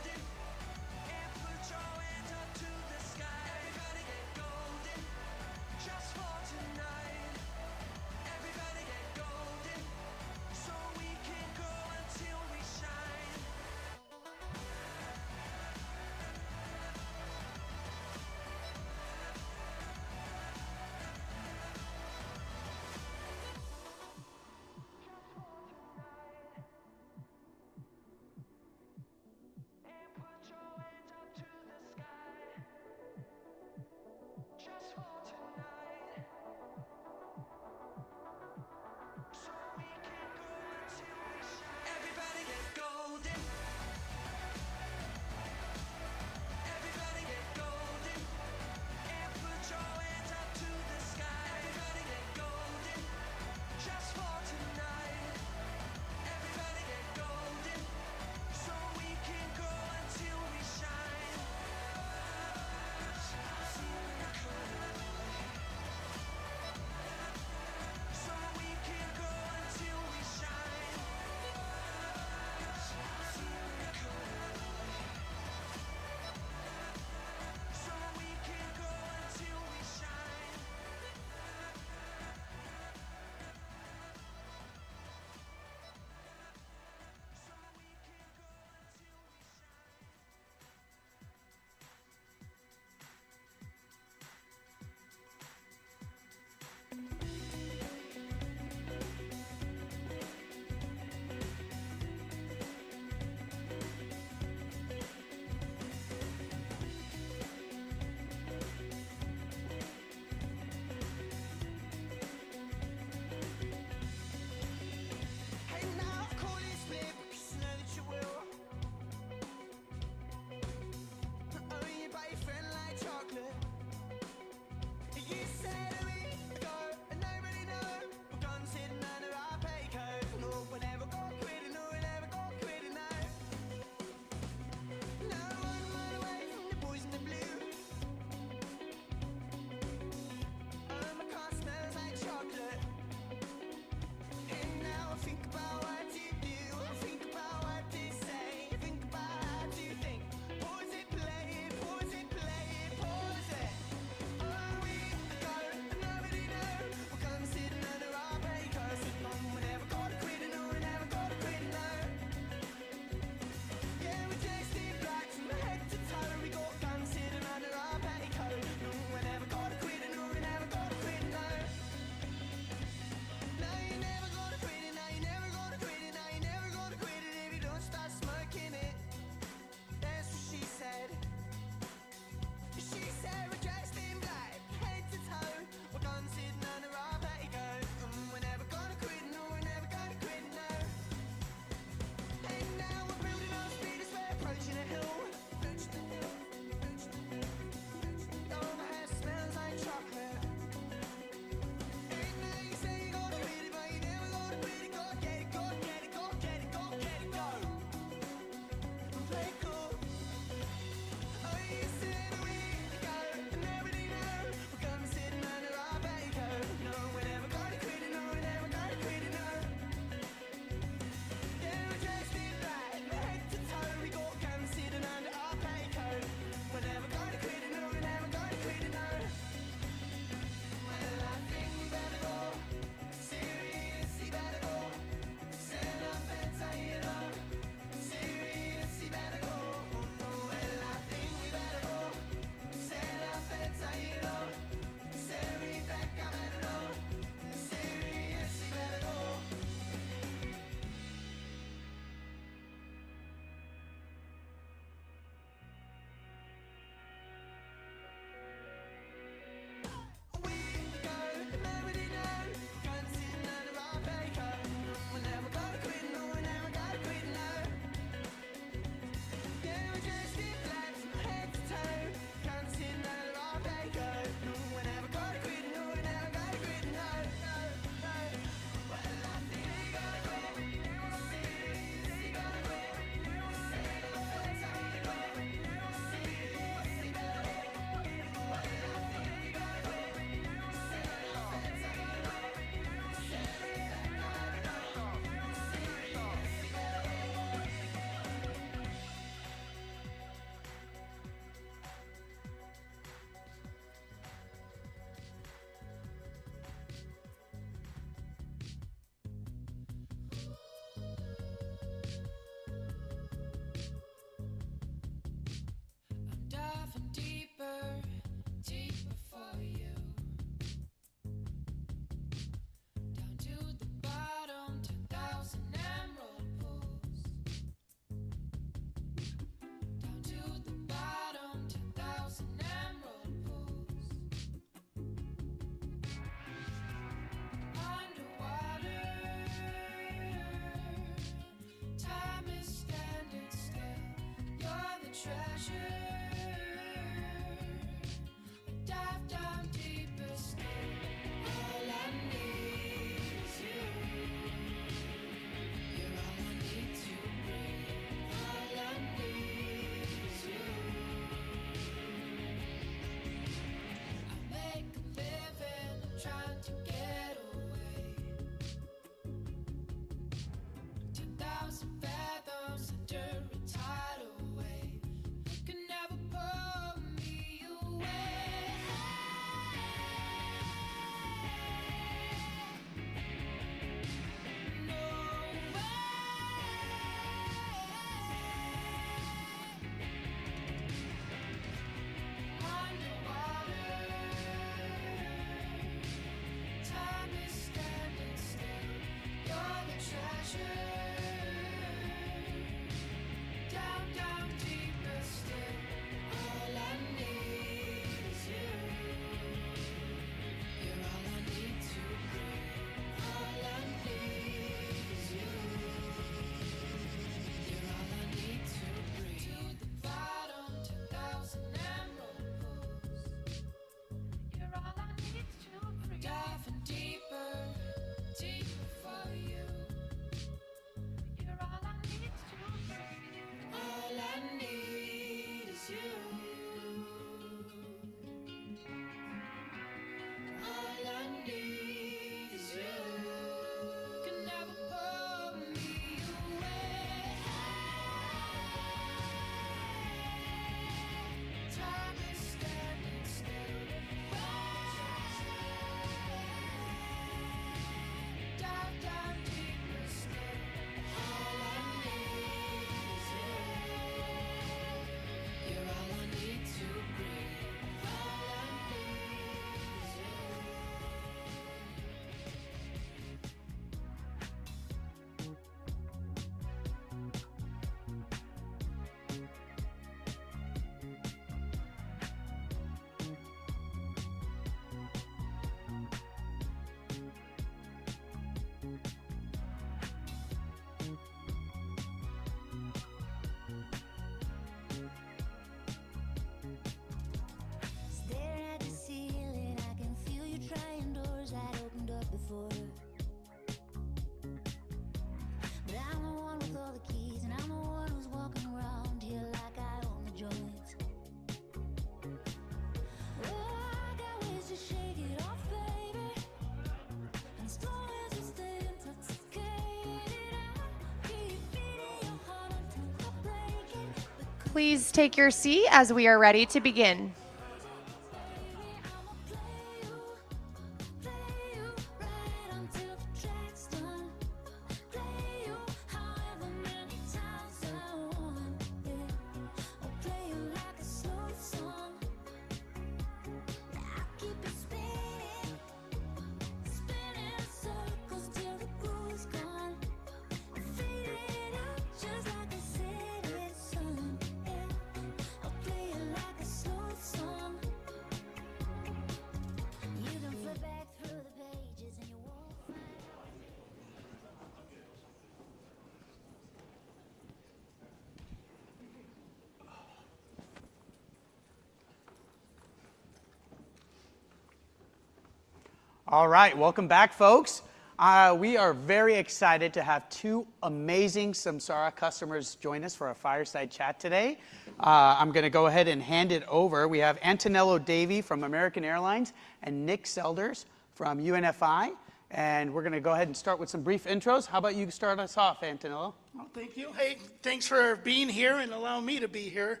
Baby, I'ma play you, play you right until the track's done. Play you however many times I want, yeah. I'll play you like a slow song. I'll keep it spinning, spinning in circles till the groove's gone. I'm feeding you just like a city song, yeah. I'll play you like a slow song. You can flip back through the pages and you won't find. All right, welcome back, folks. We are very excited to have two amazing Samsara customers join us for a fireside chat today. I'm going to go ahead and hand it over. We have Antonello Davi from American Airlines and Nick Selders from UNFI. We're going to go ahead and start with some brief intros. How about you start us off, Antonello? Thank you. Hey, thanks for being here and allowing me to be here.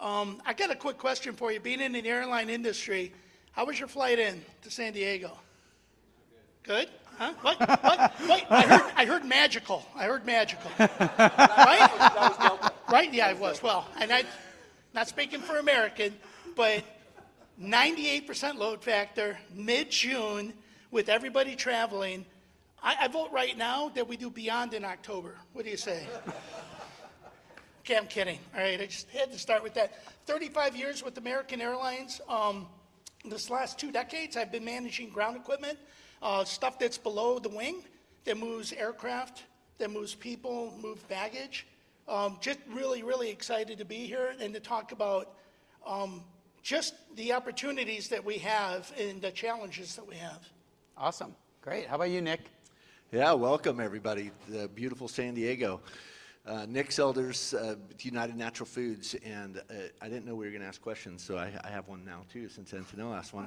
I got a quick question for you. Being in the airline industry, how was your flight in to San Diego? Good. Good? Huh? What? I heard magical. I heard magical. Right? That was welcome. Right? Yeah, I was. I'm not speaking for American, but 98% load factor mid-June with everybody traveling. I vote right now that we do beyond in October. What do you say? Okay, I'm kidding. All right, I just had to start with that. 35 years with American Airlines. This last two decades, I've been managing ground equipment, stuff that's below the wing that moves aircraft, that moves people, moves baggage. Just really, really excited to be here and to talk about just the opportunities that we have and the challenges that we have. Awesome. Great. How about you, Nick? Yeah, welcome, everybody. The beautiful San Diego. Nick Selders with United Natural Foods. I didn't know we were going to ask questions, so I have one now too, since Antonello asked one.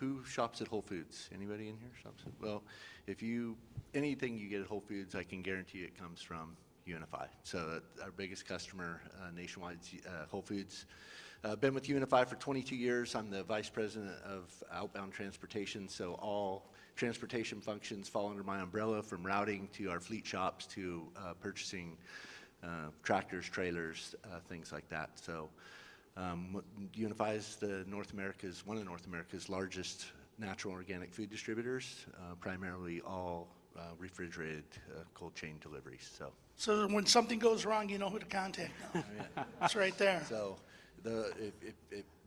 Who shops at Whole Foods? Anybody in here shops at? If you anything you get at Whole Foods, I can guarantee it comes from UNFI. Our biggest customer nationwide, Whole Foods. Been with UNFI for 22 years. I'm the Vice President of Outbound Transportation. All transportation functions fall under my umbrella, from routing to our fleet shops to purchasing tractors, trailers, things like that. UNFI is one of North America's largest natural organic food distributors, primarily all refrigerated cold chain deliveries. When something goes wrong, you know who to contact. It is right there.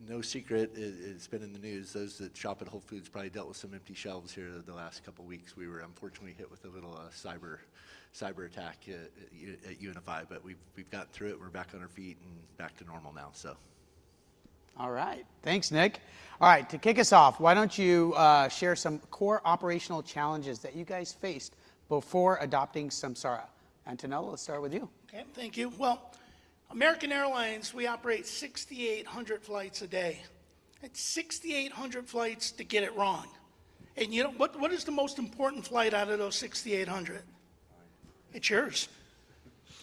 No secret, it has been in the news. Those that shop at Whole Foods probably dealt with some empty shelves here the last couple of weeks. We were unfortunately hit with a little cyberattack at UNFI, but we have gotten through it. Wep are back on our feet and back to normal now. All right, thanks, Nick. All right, to kick us off, why do you not share some core operational challenges that you guys faced before adopting Samsara? Antonello, let us start with you. Okay, thank you. American Airlines, we operate 6,800 flights a day. It's 6,800 flights to get it wrong. What is the most important flight out of those 6,800? It's yours.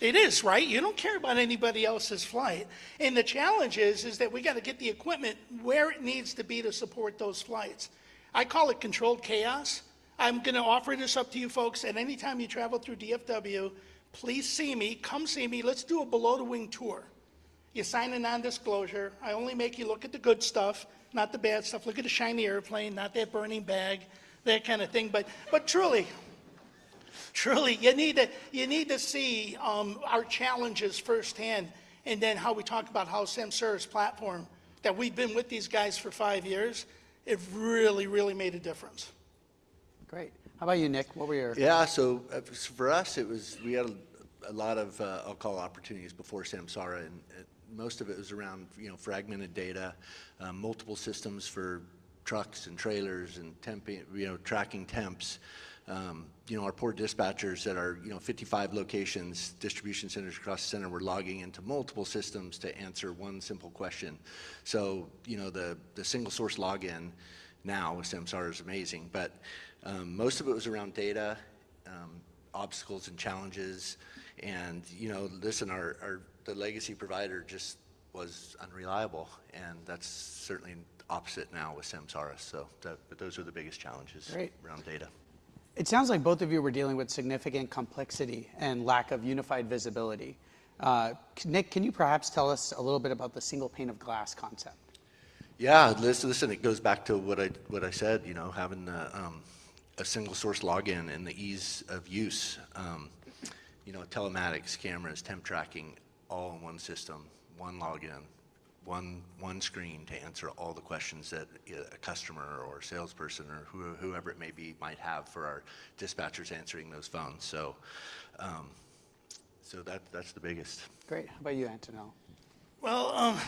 It is, right? You don't care about anybody else's flight. The challenge is that we got to get the equipment where it needs to be to support those flights. I call it controlled chaos. I'm going to offer this up to you folks. Anytime you travel through DFW, please see me, come see me. Let's do a below-the-wing tour. You sign a non-disclosure. I only make you look at the good stuff, not the bad stuff. Look at a shiny airplane, not that burning bag, that kind of thing. Truly, truly, you need to see our challenges firsthand. Then how we talk about how Samsara's platform, that we've been with these guys for five years, it really, really made a difference. Great. How about you, Nick? What were your? Yeah, so for us, it was we had a lot of, I'll call it opportunities before Samsara. Most of it was around fragmented data, multiple systems for trucks and trailers and tracking temps. Our poor dispatchers at our 55 locations, distribution centers across the center were logging into multiple systems to answer one simple question. The single-source login now with Samsara is amazing. Most of it was around data, obstacles, and challenges. Listen, the legacy provider just was unreliable. That's certainly opposite now with Samsara. Those were the biggest challenges around data. It sounds like both of you were dealing with significant complexity and lack of unified visibility. Nick, can you perhaps tell us a little bit about the single pane of glass concept? Yeah, listen, it goes back to what I said, having a single-source login and the ease of use. Telematics, cameras, temp tracking, all in one system, one login, one screen to answer all the questions that a customer or a salesperson or whoever it may be might have for our dispatchers answering those phones. That's the biggest. Great. How about you, Antonello?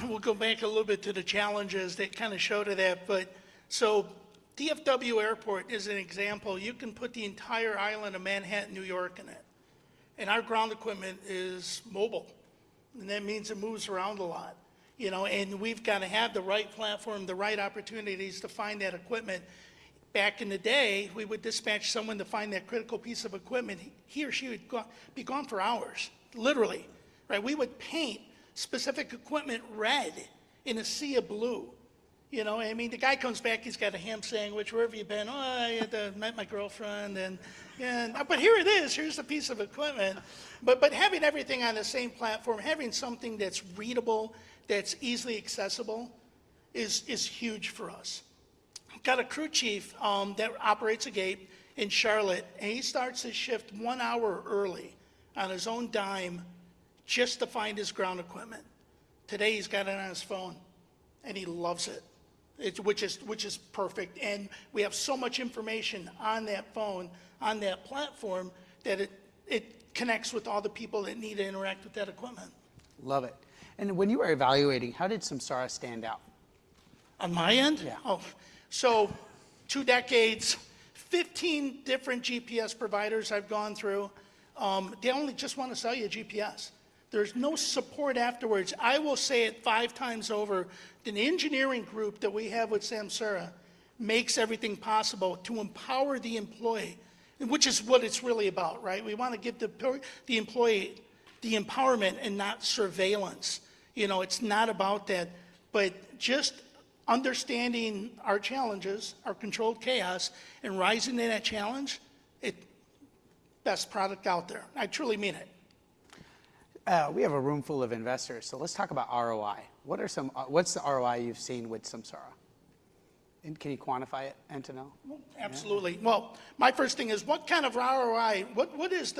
We'll go back a little bit to the challenges that kind of showed that. DFW Airport is an example. You can put the entire island of Manhattan, New York, in it. Our ground equipment is mobile. That means it moves around a lot. We've got to have the right platform, the right opportunities to find that equipment. Back in the day, we would dispatch someone to find that critical piece of equipment. He or she would be gone for hours, literally. We would paint specific equipment red in a sea of blue. I mean, the guy comes back, he's got a ham sandwich, wherever you've been, "Oh, I met my girlfriend." Here it is. Here's the piece of equipment. Having everything on the same platform, having something that's readable, that's easily accessible is huge for us. I've got a crew chief that operates a gate in Charlotte. He starts his shift one hour early on his own dime just to find his ground equipment. Today, he's got it on his phone. He loves it, which is perfect. We have so much information on that phone, on that platform, that it connects with all the people that need to interact with that equipment. Love it. When you were evaluating, how did Samsara stand out? On my end? Yeah. Oh, so two decades, 15 different GPS providers I've gone through. They only just want to sell you a GPS. There's no support afterwards. I will say it five times over. The engineering group that we have with Samsara makes everything possible to empower the employee, which is what it's really about, right? We want to give the employee the empowerment and not surveillance. It's not about that. Just understanding our challenges, our controlled chaos, and rising in that challenge, it's the best product out there. I truly mean it. We have a room full of investors. Let's talk about ROI. What's the ROI you've seen with Samsara? And can you quantify it, Antonello? Absolutely. My first thing is, what kind of ROI? What is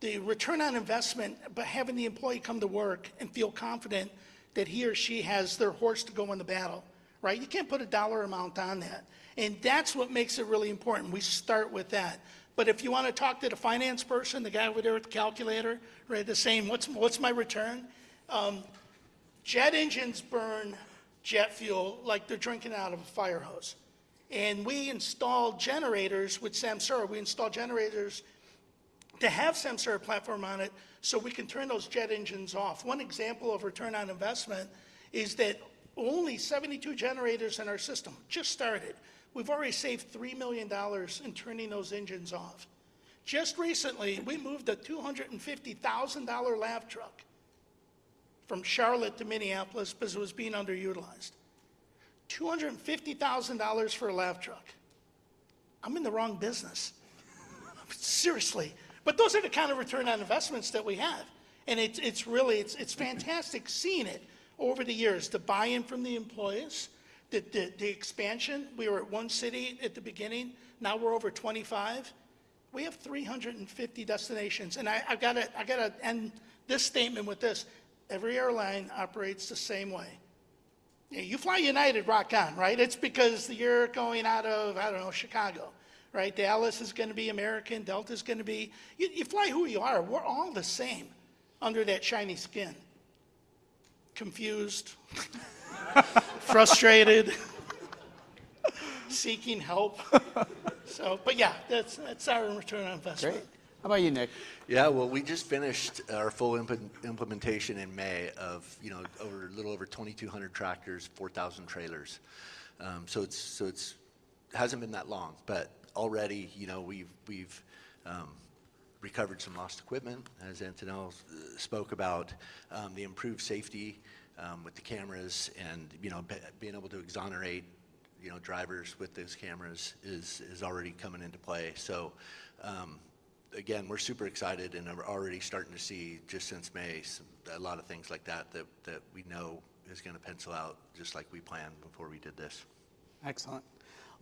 the return on investment by having the employee come to work and feel confident that he or she has their horse to go in the battle? You can't put a dollar amount on that. That is what makes it really important. We start with that. If you want to talk to the finance person, the guy over there with the calculator, saying, what's my return? Jet engines burn jet fuel like they're drinking out of a fire hose. We install generators with Samsara. We install generators to have Samsara platform on it so we can turn those jet engines off. One example of return on investment is that only 72 generators in our system just started. We've already saved $3 million in turning those engines off. Just recently, we moved a $250,000 lav truck from Charlotte to Minneapolis because it was being underutilized. $250,000 for a lav truck. I'm in the wrong business. Seriously. Those are the kind of return on investments that we have. It's fantastic seeing it over the years, the buy-in from the employees, the expansion. We were at one city at the beginning. Now we're over 25. We have 350 destinations. I got to end this statement with this. Every airline operates the same way. You fly United, rock on, right? It's because you're going out of, I don't know, Chicago, right? Dallas is going to be American. Delta is going to be you fly who you are. We're all the same under that shiny skin. Confused, frustrated, seeking help. Yeah, that's our return on investment. Great. How about you, Nick? Yeah, we just finished our full implementation in May of a little over 2,200 tractors, 4,000 trailers. It hasn't been that long. Already, we've recovered some lost equipment, as Antonello spoke about. The improved safety with the cameras and being able to exonerate drivers with those cameras is already coming into play. Again, we're super excited and are already starting to see just since May a lot of things like that that we know is going to pencil out just like we planned before we did this. Excellent.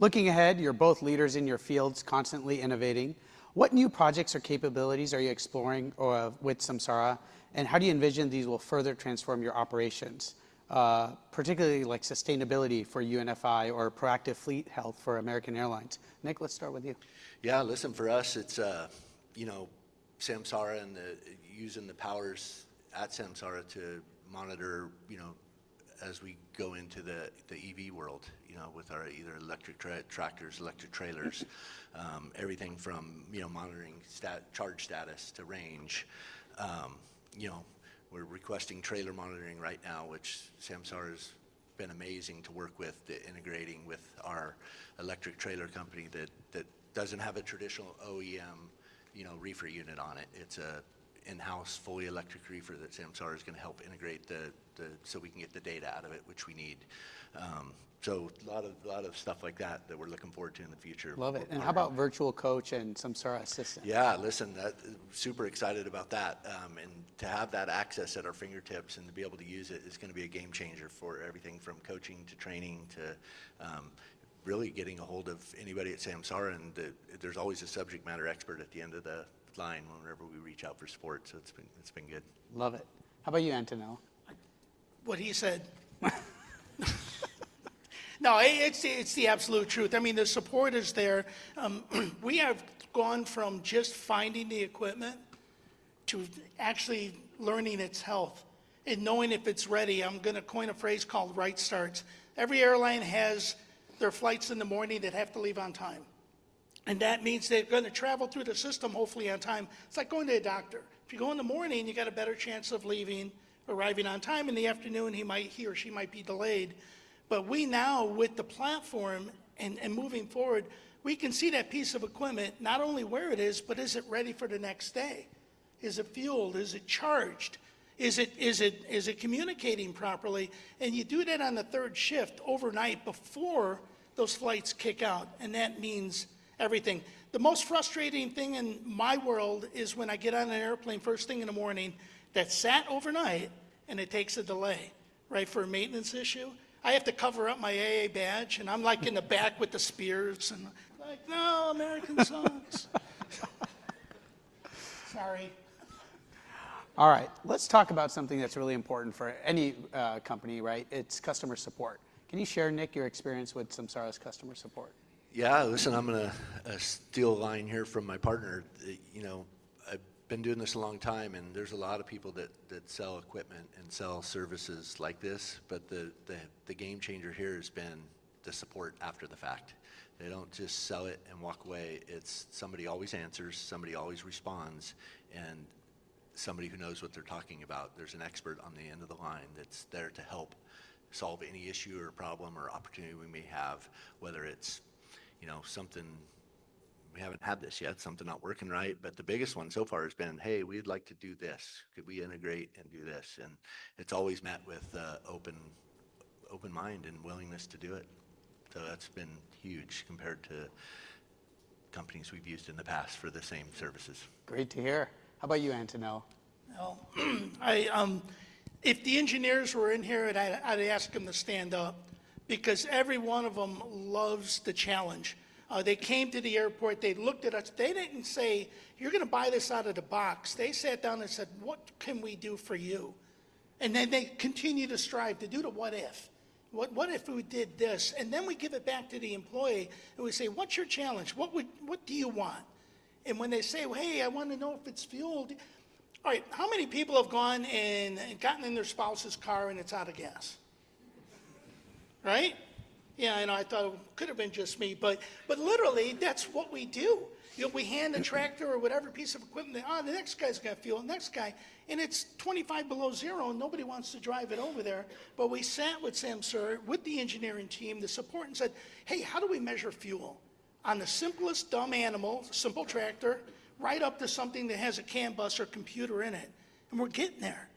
Looking ahead, you're both leaders in your fields, constantly innovating. What new projects or capabilities are you exploring with Samsara? How do you envision these will further transform your operations, particularly sustainability for UNFI or proactive fleet health for American Airlines? Nick, let's start with you. Yeah, listen, for us, it's Samsara and using the powers at Samsara to monitor as we go into the EV world with our either electric tractors, electric trailers, everything from monitoring charge status to range. We're requesting trailer monitoring right now, which Samsara has been amazing to work with, integrating with our electric trailer company that doesn't have a traditional OEM reefer unit on it. It's an in-house fully electric reefer that Samsara is going to help integrate so we can get the data out of it, which we need. A lot of stuff like that that we're looking forward to in the future. Love it. How about virtual coach and Samsara Assistant? Yeah, listen, super excited about that. To have that access at our fingertips and to be able to use it is going to be a game changer for everything from coaching to training to really getting a hold of anybody at Samsara. There's always a subject matter expert at the end of the line whenever we reach out for support. It's been good. Love it. How about you, Antonello? What he said. No, it's the absolute truth. I mean, the support is there. We have gone from just finding the equipment to actually learning its health and knowing if it's ready. I'm going to coin a phrase called right starts. Every airline has their flights in the morning that have to leave on time. That means they're going to travel through the system, hopefully on time. It's like going to a doctor. If you go in the morning, you got a better chance of arriving on time. In the afternoon, he or she might be delayed. We now, with the platform and moving forward, can see that piece of equipment, not only where it is, but is it ready for the next day? Is it fueled? Is it charged? Is it communicating properly? You do that on the third shift overnight before those flights kick out. That means everything. The most frustrating thing in my world is when I get on an airplane first thing in the morning that sat overnight and it takes a delay for a maintenance issue. I have to cover up my AA badge. I'm in the back with the spears and like, "No, American sounds." Sorry. All right, let's talk about something that's really important for any company, right? It's customer support. Can you share, Nick, your experience with Samsara's customer support? Yeah, listen, I'm going to steal a line here from my partner. I've been doing this a long time. There's a lot of people that sell equipment and sell services like this. The game changer here has been the support after the fact. They don't just sell it and walk away. It's somebody always answers, somebody always responds, and somebody who knows what they're talking about. There's an expert on the end of the line that's there to help solve any issue or problem or opportunity we may have, whether it's something we haven't had this yet, something not working right. The biggest one so far has been, "Hey, we'd like to do this. Could we integrate and do this?" It's always met with an open mind and willingness to do it. That's been huge compared to companies we've used in the past for the same services. Great to hear. How about you, Antonello? If the engineers were in here, I'd ask them to stand up because every one of them loves the challenge. They came to the airport. They looked at us. They did not say, "You are going to buy this out of the box." They sat down and said, "What can we do for you?" They continue to strive. They do the what if. What if we did this? We give it back to the employee and we say, "What is your challenge? What do you want?" When they say, "Hey, I want to know if it is fueled." All right, how many people have gone and gotten in their spouse's car and it is out of gas? Right? I thought it could have been just me. Literally, that is what we do. We hand a tractor or whatever piece of equipment. The next guy has fuel. Next guy. It is 25 below zero. Nobody wants to drive it over there. We sat with Samsara, with the engineering team, the support, and said, "Hey, how do we measure fuel on the simplest dumb animal, simple tractor, right up to something that has a CAN bus or computer in it?" We are getting there.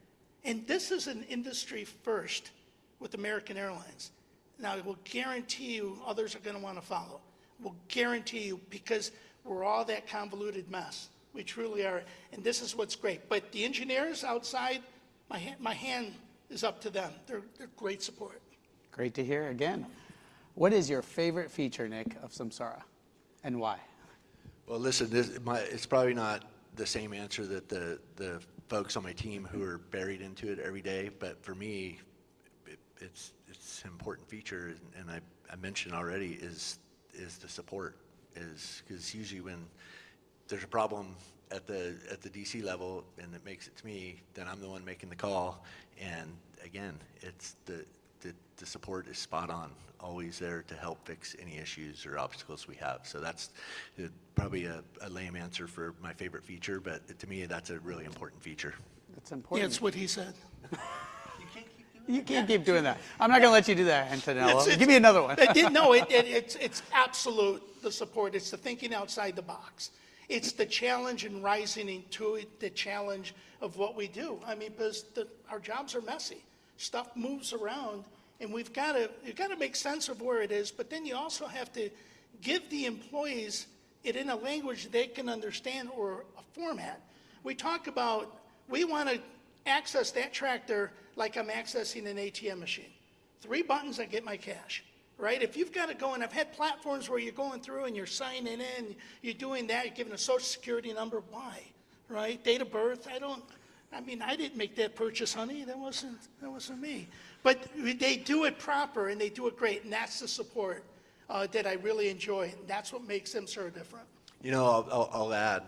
This is an industry first with American Airlines. I guarantee you others are going to want to follow. I guarantee you because we are all that convoluted mess. We truly are. This is what is great. The engineers outside, my hand is up to them. They are great support. Great to hear. Again, what is your favorite feature, Nick, of Samsara? And why? It is probably not the same answer that the folks on my team who are buried into it every day would give. For me, it is an important feature. I mentioned already, it is the support. Because usually when there's a problem at the DC level and it makes it to me, then I'm the one making the call. Again, the support is spot on, always there to help fix any issues or obstacles we have. That's probably a lame answer for my favorite feature. To me, that's a really important feature. That's important. Yeah, it's what he said. You can't keep doing that. I'm not going to let you do that, Antonello. Give me another one. No, it's absolute, the support. It's the thinking outside the box. It's the challenge and rising into the challenge of what we do. I mean, our jobs are messy. Stuff moves around. You've got to make sense of where it is. You also have to give the employees it in a language they can understand or a format. We talk about we want to access that tractor like I'm accessing an ATM machine. Three buttons, I get my cash. If you've got to go and I've had platforms where you're going through and you're signing in, you're doing that, you're giving a Social Security number, why? Date of birth. I mean, I didn't make that purchase, honey. That wasn't me. They do it proper and they do it great. That is the support that I really enjoy. That is what makes them so different. You know, I'll add,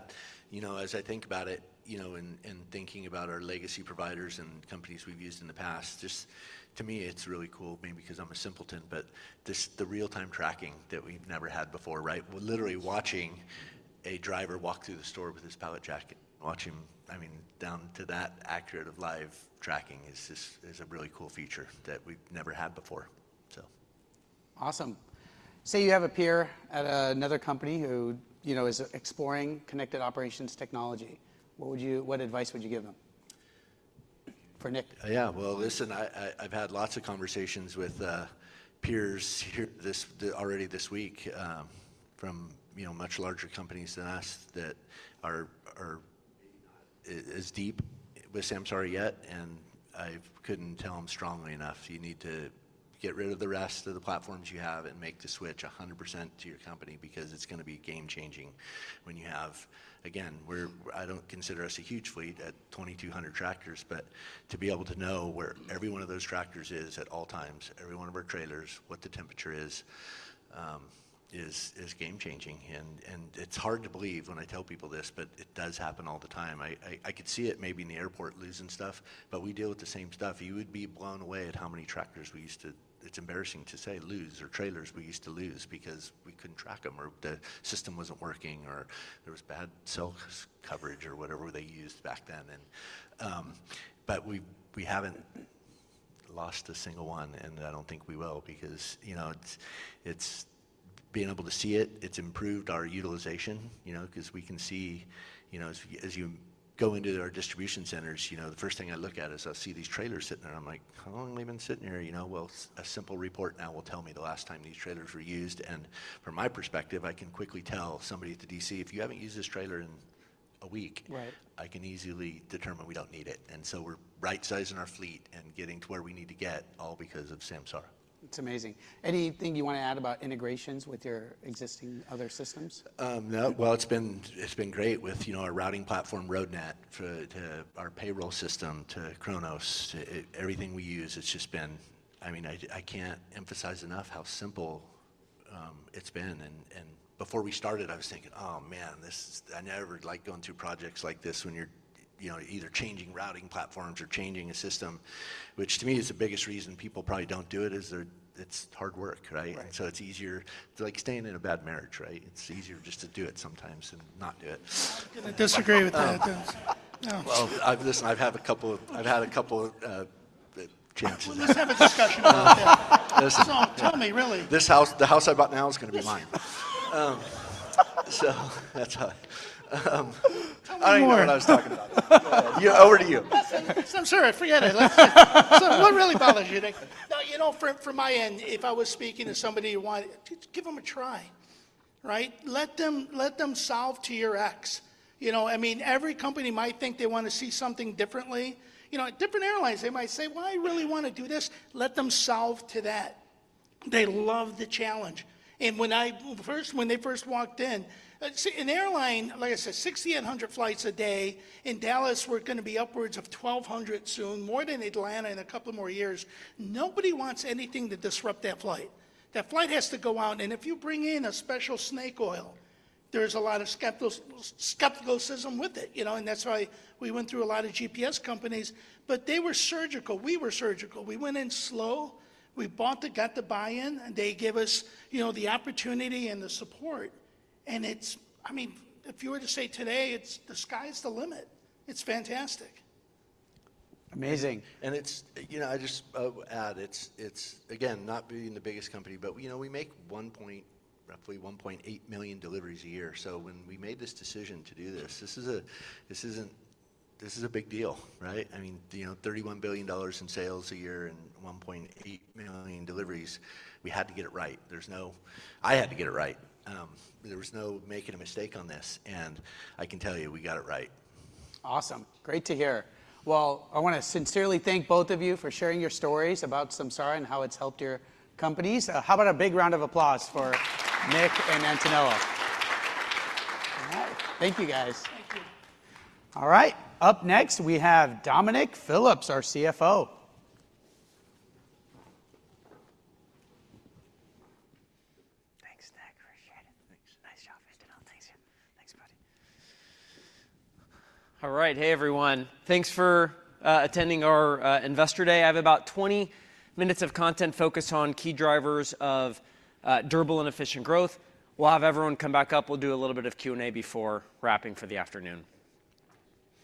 as I think about it and thinking about our legacy providers and companies we've used in the past, just to me, it's really cool, maybe because I'm a simpleton, but the real-time tracking that we've never had before, right? Literally watching a driver walk through the store with his pallet jacket, watching him, I mean, down to that accurate of live tracking is a really cool feature that we've never had before. Awesome. Say you have a peer at another company who is exploring connected operations technology. What advice would you give them? For Nick. Yeah, listen, I've had lots of conversations with peers already this week from much larger companies than us that are as deep with Samsara yet. I could not tell them strongly enough, you need to get rid of the rest of the platforms you have and make the switch 100% to your company because it is going to be game changing when you have, again, I do not consider us a huge fleet at 2,200 tractors, but to be able to know where every one of those tractors is at all times, every one of our trailers, what the temperature is, is game changing. It is hard to believe when I tell people this, but it does happen all the time. I could see it maybe in the airport losing stuff, but we deal with the same stuff. You would be blown away at how many tractors we used to, it's embarrassing to say, lose or trailers we used to lose because we couldn't track them or the system wasn't working or there was bad cell coverage or whatever they used back then. We haven't lost a single one. I don't think we will because it's being able to see it. It's improved our utilization because we can see as you go into our distribution centers, the first thing I look at is I see these trailers sitting there. I'm like, "How long have they been sitting here?" A simple report now will tell me the last time these trailers were used. From my perspective, I can quickly tell somebody at the DC, "If you haven't used this trailer in a week, I can easily determine we don't need it." We are right-sizing our fleet and getting to where we need to get all because of Samsara. It's amazing. Anything you want to add about integrations with your existing other systems? It's been great with our routing platform, Roadnet, to our payroll system, to Kronos. Everything we use, it's just been, I mean, I can't emphasize enough how simple it's been. Before we started, I was thinking, "Oh, man, I never liked going through projects like this when you're either changing routing platforms or changing a system," which to me is the biggest reason people probably don't do it is it's hard work, right? It's easier like staying in a bad marriage, right? It's easier just to do it sometimes and not do it. I disagree with that. Listen, I've had a couple of chances. Let's have a discussion about that. Listen. Tell me, really. The house I bought now is going to be mine. So that's all. Tell me more. I don't even know what I was talking about. Over to you. Samsara, I forget it. What really bothers you, Nick? No, from my end, if I was speaking to somebody, give them a try, right? Let them solve to your X. I mean, every company might think they want to see something differently. Different airlines, they might say, "I really want to do this." Let them solve to that. They love the challenge. When they first walked in, an airline, like I said, 6,800 flights a day. In Dallas, we're going to be upwards of 1,200 soon, more than Atlanta in a couple more years. Nobody wants anything to disrupt that flight. That flight has to go out. If you bring in a special snake oil, there's a lot of skepticism with it. That is why we went through a lot of GPS companies. They were surgical. We were surgical. We went in slow. We got the buy-in, and they gave us the opportunity and the support. I mean, if you were to say today, the sky's the limit. It's fantastic. Amazing. I just add, again, not being the biggest company, but we make roughly 1.8 million deliveries a year. When we made this decision to do this, this is a big deal, right? I mean, $31 billion in sales a year and 1.8 million deliveries. We had to get it right. I had to get it right. There was no making a mistake on this. I can tell you, we got it right. Awesome. Great to hear. I want to sincerely thank both of you for sharing your stories about Samsara and how it's helped your companies. How about a big round of applause for Nick and Antonello? Thank you, guys. Thank you. All right, up next, we have Dominic Phillips, our CFO. Thanks, Nick. Appreciate it. Thanks. Nice job, Mr. Davi. Thanks, buddy. All right, hey, everyone. Thanks for attending our investor day. I have about 20 minutes of content focused on key drivers of durable and efficient growth. We'll have everyone come back up. We'll do a little bit of Q&A before wrapping for the afternoon.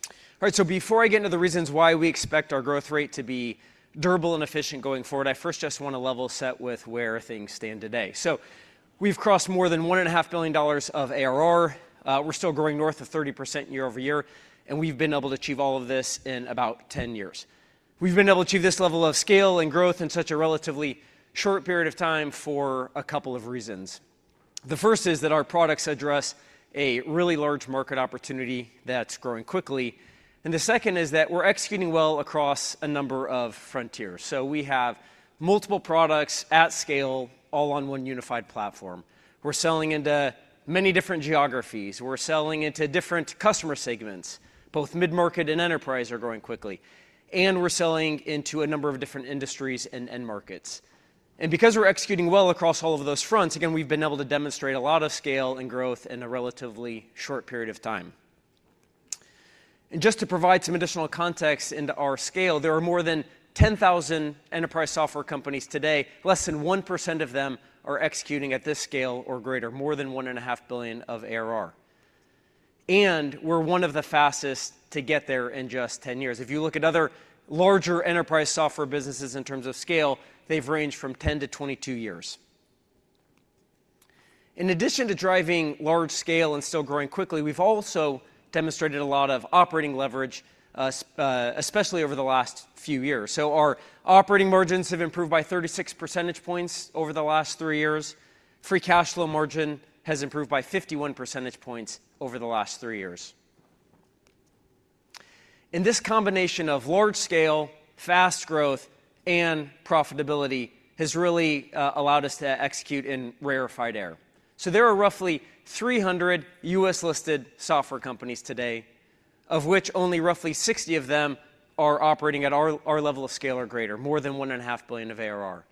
All right, so before I get into the reasons why we expect our growth rate to be durable and efficient going forward, I first just want to level set with where things stand today. We've crossed more than $1.5 billion of ARR. We're still growing north of 30% year over year. We've been able to achieve all of this in about 10 years. We've been able to achieve this level of scale and growth in such a relatively short period of time for a couple of reasons. The first is that our products address a really large market opportunity that's growing quickly. The second is that we're executing well across a number of frontiers. We have multiple products at scale, all on one unified platform. We're selling into many different geographies. We're selling into different customer segments. Both mid-market and enterprise are growing quickly. We're selling into a number of different industries and markets. Because we're executing well across all of those fronts, again, we've been able to demonstrate a lot of scale and growth in a relatively short period of time. Just to provide some additional context into our scale, there are more than 10,000 enterprise software companies today. Less than 1% of them are executing at this scale or greater, more than $1.5 billion of ARR. We're one of the fastest to get there in just 10 years. If you look at other larger enterprise software businesses in terms of scale, they've ranged from 10 years -22 years. In addition to driving large scale and still growing quickly, we've also demonstrated a lot of operating leverage, especially over the last few years. Our operating margins have improved by 36 percentage points over the last three years. Free cash flow margin has improved by 51 percentage points over the last three years. This combination of large scale, fast growth, and profitability has really allowed us to execute in rarefied air. There are roughly 300 U.S.-listed software companies today, of which only roughly 60 of them are operating at our level of scale or greater, more than $1.5 billion of ARR.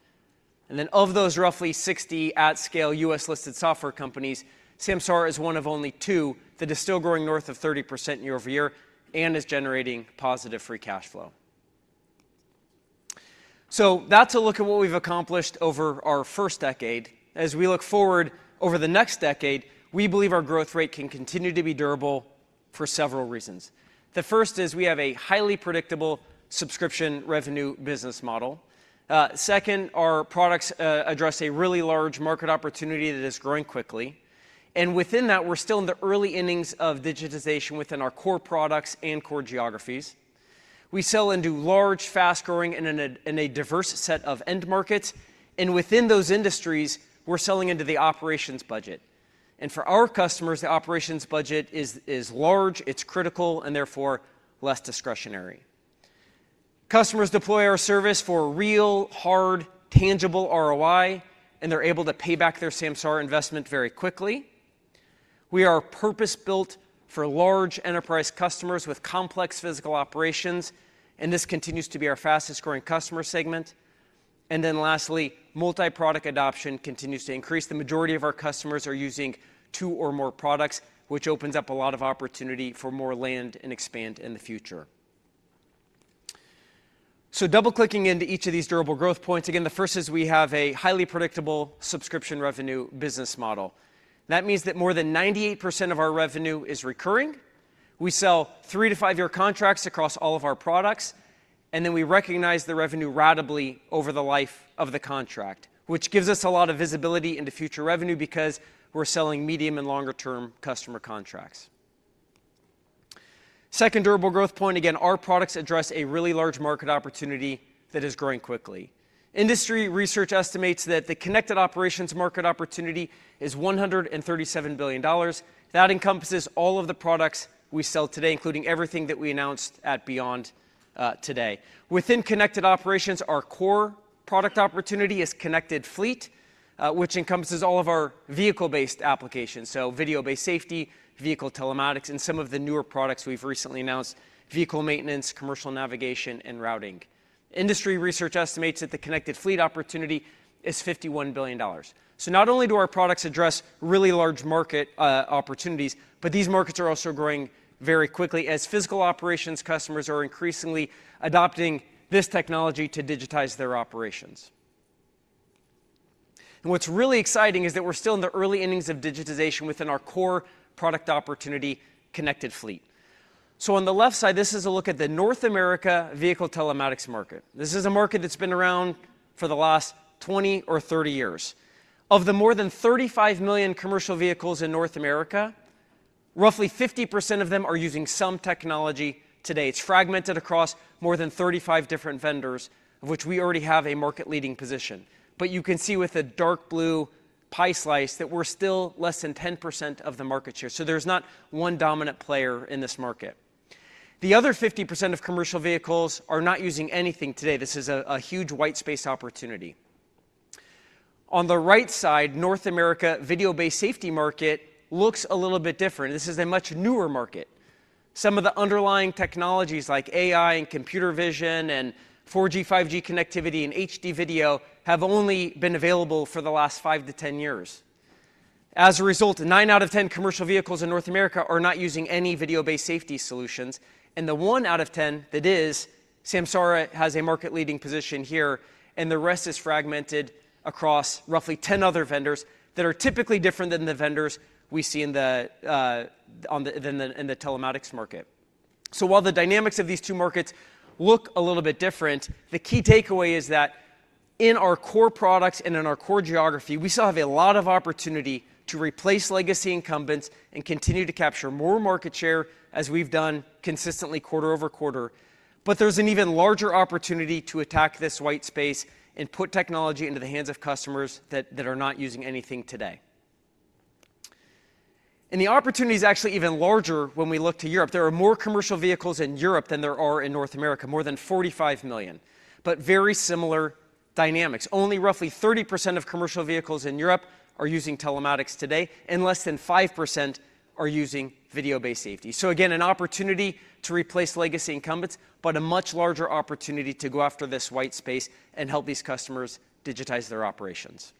Of those roughly 60 at-scale U.S.-listed software companies, Samsara is one of only two that is still growing north of 30% year over year and is generating positive free cash flow. That is a look at what we have accomplished over our first decade. As we look forward over the next decade, we believe our growth rate can continue to be durable for several reasons. The first is we have a highly predictable subscription revenue business model. Second, our products address a really large market opportunity that is growing quickly. Within that, we're still in the early innings of digitization within our core products and core geographies. We sell into large, fast-growing, and a diverse set of end markets. Within those industries, we're selling into the operations budget. For our customers, the operations budget is large, it's critical, and therefore less discretionary. Customers deploy our service for real, hard, tangible ROI, and they're able to pay back their Samsara investment very quickly. We are purpose-built for large enterprise customers with complex physical operations, and this continues to be our fastest-growing customer segment. Lastly, multi-product adoption continues to increase. The majority of our customers are using two or more products, which opens up a lot of opportunity for more land and expand in the future. Double-clicking into each of these durable growth points, again, the first is we have a highly predictable subscription revenue business model. That means that more than 98% of our revenue is recurring. We sell three- to five-year contracts across all of our products, and then we recognize the revenue ratably over the life of the contract, which gives us a lot of visibility into future revenue because we're selling medium and longer-term customer contracts. Second durable growth point, again, our products address a really large market opportunity that is growing quickly. Industry research estimates that the connected operations market opportunity is $137 billion. That encompasses all of the products we sell today, including everything that we announced at Beyond today. Within connected operations, our core product opportunity is connected fleet, which encompasses all of our vehicle-based applications. Video-based safety, vehicle telematics, and some of the newer products we've recently announced, vehicle maintenance, commercial navigation, and routing. Industry research estimates that the connected fleet opportunity is $51 billion. Not only do our products address really large market opportunities, but these markets are also growing very quickly as physical operations customers are increasingly adopting this technology to digitize their operations. What's really exciting is that we're still in the early innings of digitization within our core product opportunity, connected fleet. On the left side, this is a look at the North America vehicle telematics market. This is a market that's been around for the last 20 or 30 years. Of the more than 35 million commercial vehicles in North America, roughly 50% of them are using some technology today. It's fragmented across more than 35 different vendors, of which we already have a market-leading position. You can see with a dark blue pie slice that we're still less than 10% of the market share. There is not one dominant player in this market. The other 50% of commercial vehicles are not using anything today. This is a huge white space opportunity. On the right side, North America video-based safety market looks a little bit different. This is a much newer market. Some of the underlying technologies like AI and computer vision and 4G/5G connectivity and HD video have only been available for the last 5 to 10 years. As a result, 9 out of 10 commercial vehicles in North America are not using any video-based safety solutions. The 1 out of 10 that is, Samsara has a market-leading position here, and the rest is fragmented across roughly 10 other vendors that are typically different than the vendors we see in the telematics market. While the dynamics of these two markets look a little bit different, the key takeaway is that in our core products and in our core geography, we still have a lot of opportunity to replace legacy incumbents and continue to capture more market share as we've done consistently quarter over quarter. There is an even larger opportunity to attack this white space and put technology into the hands of customers that are not using anything today. The opportunity is actually even larger when we look to Europe. There are more commercial vehicles in Europe than there are in North America, more than 45 million, but very similar dynamics. Only roughly 30% of commercial vehicles in Europe are using telematics today, and less than 5% are using video-based safety. Again, an opportunity to replace legacy incumbents, but a much larger opportunity to go after this white space and help these customers digitize their operations.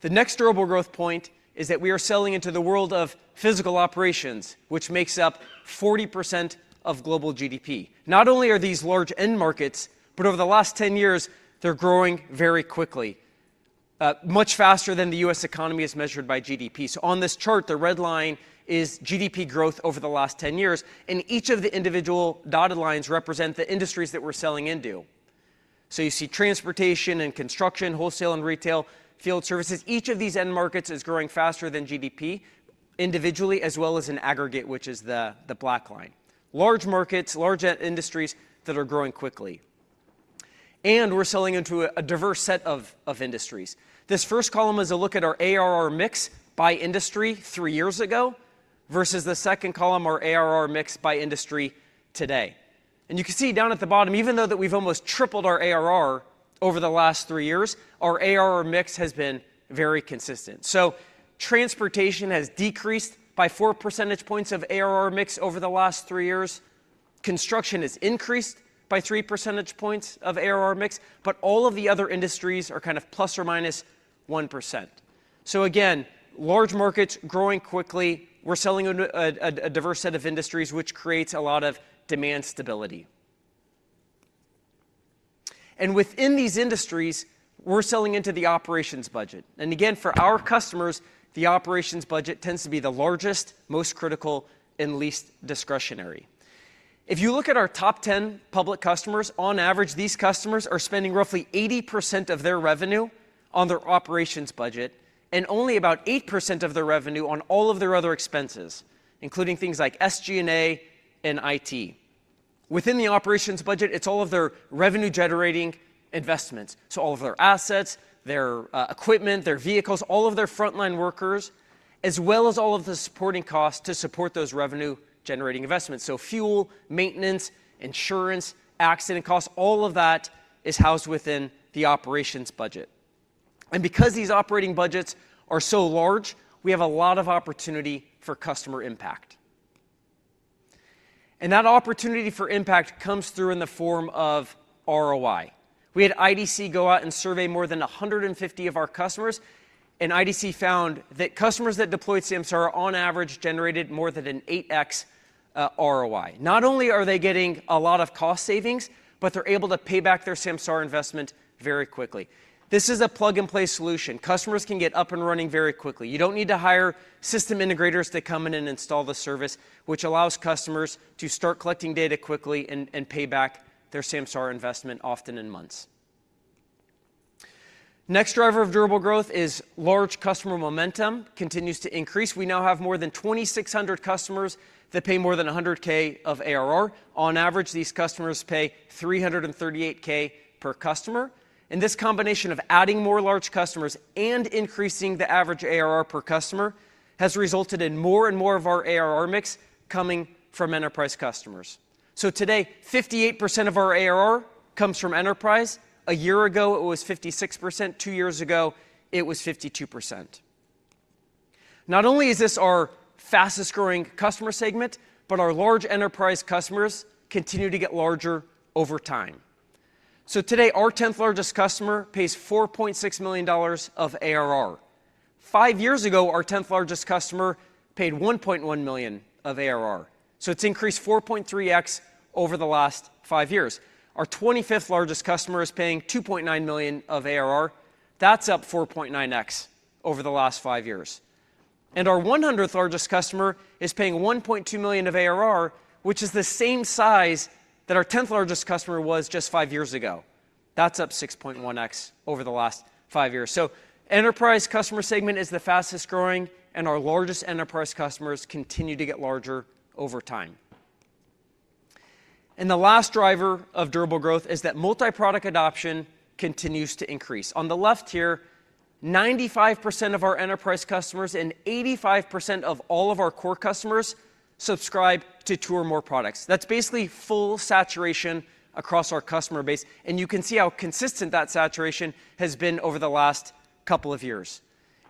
The next durable growth point is that we are selling into the world of physical operations, which makes up 40% of global GDP. Not only are these large end markets, but over the last 10 years, they're growing very quickly, much faster than the U.S. economy is measured by GDP. On this chart, the red line is GDP growth over the last 10 years. Each of the individual dotted lines represent the industries that we're selling into. You see transportation and construction, wholesale and retail, field services. Each of these end markets is growing faster than GDP individually, as well as in aggregate, which is the black line. Large markets, large industries that are growing quickly. We're selling into a diverse set of industries. This first column is a look at our ARR mix by industry three years ago versus the second column, our ARR mix by industry today. You can see down at the bottom, even though we've almost tripled our ARR over the last three years, our ARR mix has been very consistent. Transportation has decreased by 4 percentage points of ARR mix over the last three years. Construction has increased by 3 percentage points of ARR mix. All of the other industries are kind of ± 1%. Large markets growing quickly. We're selling a diverse set of industries, which creates a lot of demand stability. Within these industries, we're selling into the operations budget. For our customers, the operations budget tends to be the largest, most critical, and least discretionary. If you look at our top 10 public customers, on average, these customers are spending roughly 80% of their revenue on their operations budget and only about 8% of their revenue on all of their other expenses, including things like SG&A and IT. Within the operations budget, it's all of their revenue-generating investments. So all of their assets, their equipment, their vehicles, all of their frontline workers, as well as all of the supporting costs to support those revenue-generating investments. Fuel, maintenance, insurance, accident costs, all of that is housed within the operations budget. Because these operating budgets are so large, we have a lot of opportunity for customer impact. That opportunity for impact comes through in the form of ROI. We had IDC go out and survey more than 150 of our customers, and IDC found that customers that deployed Samsara on average generated more than an 8x ROI. Not only are they getting a lot of cost savings, but they're able to pay back their Samsara investment very quickly. This is a plug-and-play solution. Customers can get up and running very quickly. You don't need to hire system integrators to come in and install the service, which allows customers to start collecting data quickly and pay back their Samsara investment often in months. Next driver of durable growth is large customer momentum continues to increase. We now have more than 2,600 customers that pay more than $100,000 of ARR. On average, these customers pay $338,000 per customer. This combination of adding more large customers and increasing the average ARR per customer has resulted in more and more of our ARR mix coming from enterprise customers. Today, 58% of our ARR comes from enterprise. A year ago, it was 56%. Two years ago, it was 52%. Not only is this our fastest-growing customer segment, but our large enterprise customers continue to get larger over time. Today, our 10th largest customer pays $4.6 million of ARR. Five years ago, our 10th largest customer paid $1.1 million of ARR. It has increased 4.3x over the last five years. Our 25th largest customer is paying $2.9 million of ARR. That is up 4.9x over the last five years. Our 100th largest customer is paying $1.2 million of ARR, which is the same size that our 10th largest customer was just five years ago. That's up 6.1x over the last five years. The enterprise customer segment is the fastest-growing, and our largest enterprise customers continue to get larger over time. The last driver of durable growth is that multi-product adoption continues to increase. On the left here, 95% of our enterprise customers and 85% of all of our core customers subscribe to two or more products. That's basically full saturation across our customer base. You can see how consistent that saturation has been over the last couple of years.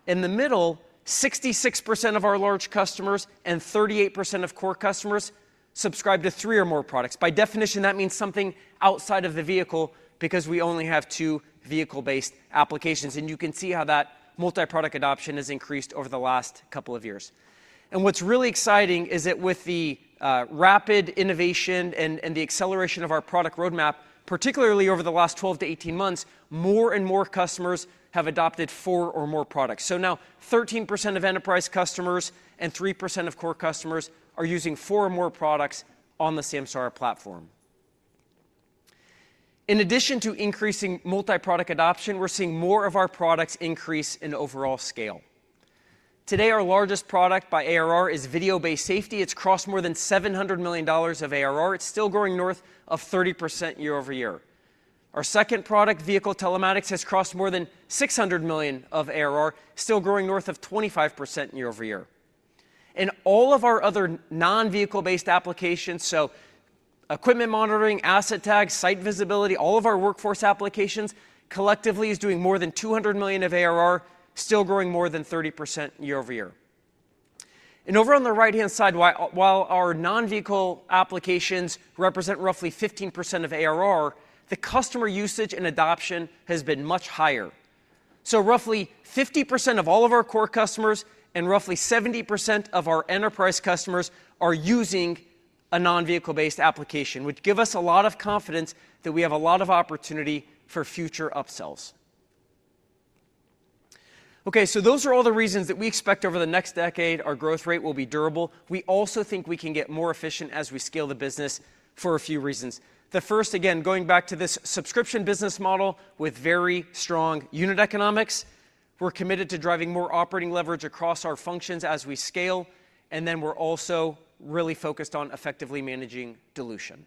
In the middle, 66% of our large customers and 38% of core customers subscribe to three or more products. By definition, that means something outside of the vehicle because we only have two vehicle-based applications. You can see how that multi-product adoption has increased over the last couple of years. What's really exciting is that with the rapid innovation and the acceleration of our product roadmap, particularly over the last 12 to 18 months, more and more customers have adopted four or more products. Now 13% of enterprise customers and 3% of core customers are using four or more products on the Samsara platform. In addition to increasing multi-product adoption, we're seeing more of our products increase in overall scale. Today, our largest product by ARR is video-based safety. It's crossed more than $700 million of ARR. It's still growing north of 30% year over year. Our second product, vehicle telematics, has crossed more than $600 million of ARR, still growing north of 25% year over year. All of our other non-vehicle-based applications, so equipment monitoring, Asset Tags, site visibility, all of our workforce applications collectively are doing more than $200 million of ARR, still growing more than 30% year over year. Over on the right-hand side, while our non-vehicle applications represent roughly 15% of ARR, the customer usage and adoption has been much higher. Roughly 50% of all of our core customers and roughly 70% of our enterprise customers are using a non-vehicle-based application, which gives us a lot of confidence that we have a lot of opportunity for future upsells. Those are all the reasons that we expect over the next decade our growth rate will be durable. We also think we can get more efficient as we scale the business for a few reasons. The first, again, going back to this subscription business model with very strong unit economics, we're committed to driving more operating leverage across our functions as we scale. We are also really focused on effectively managing dilution.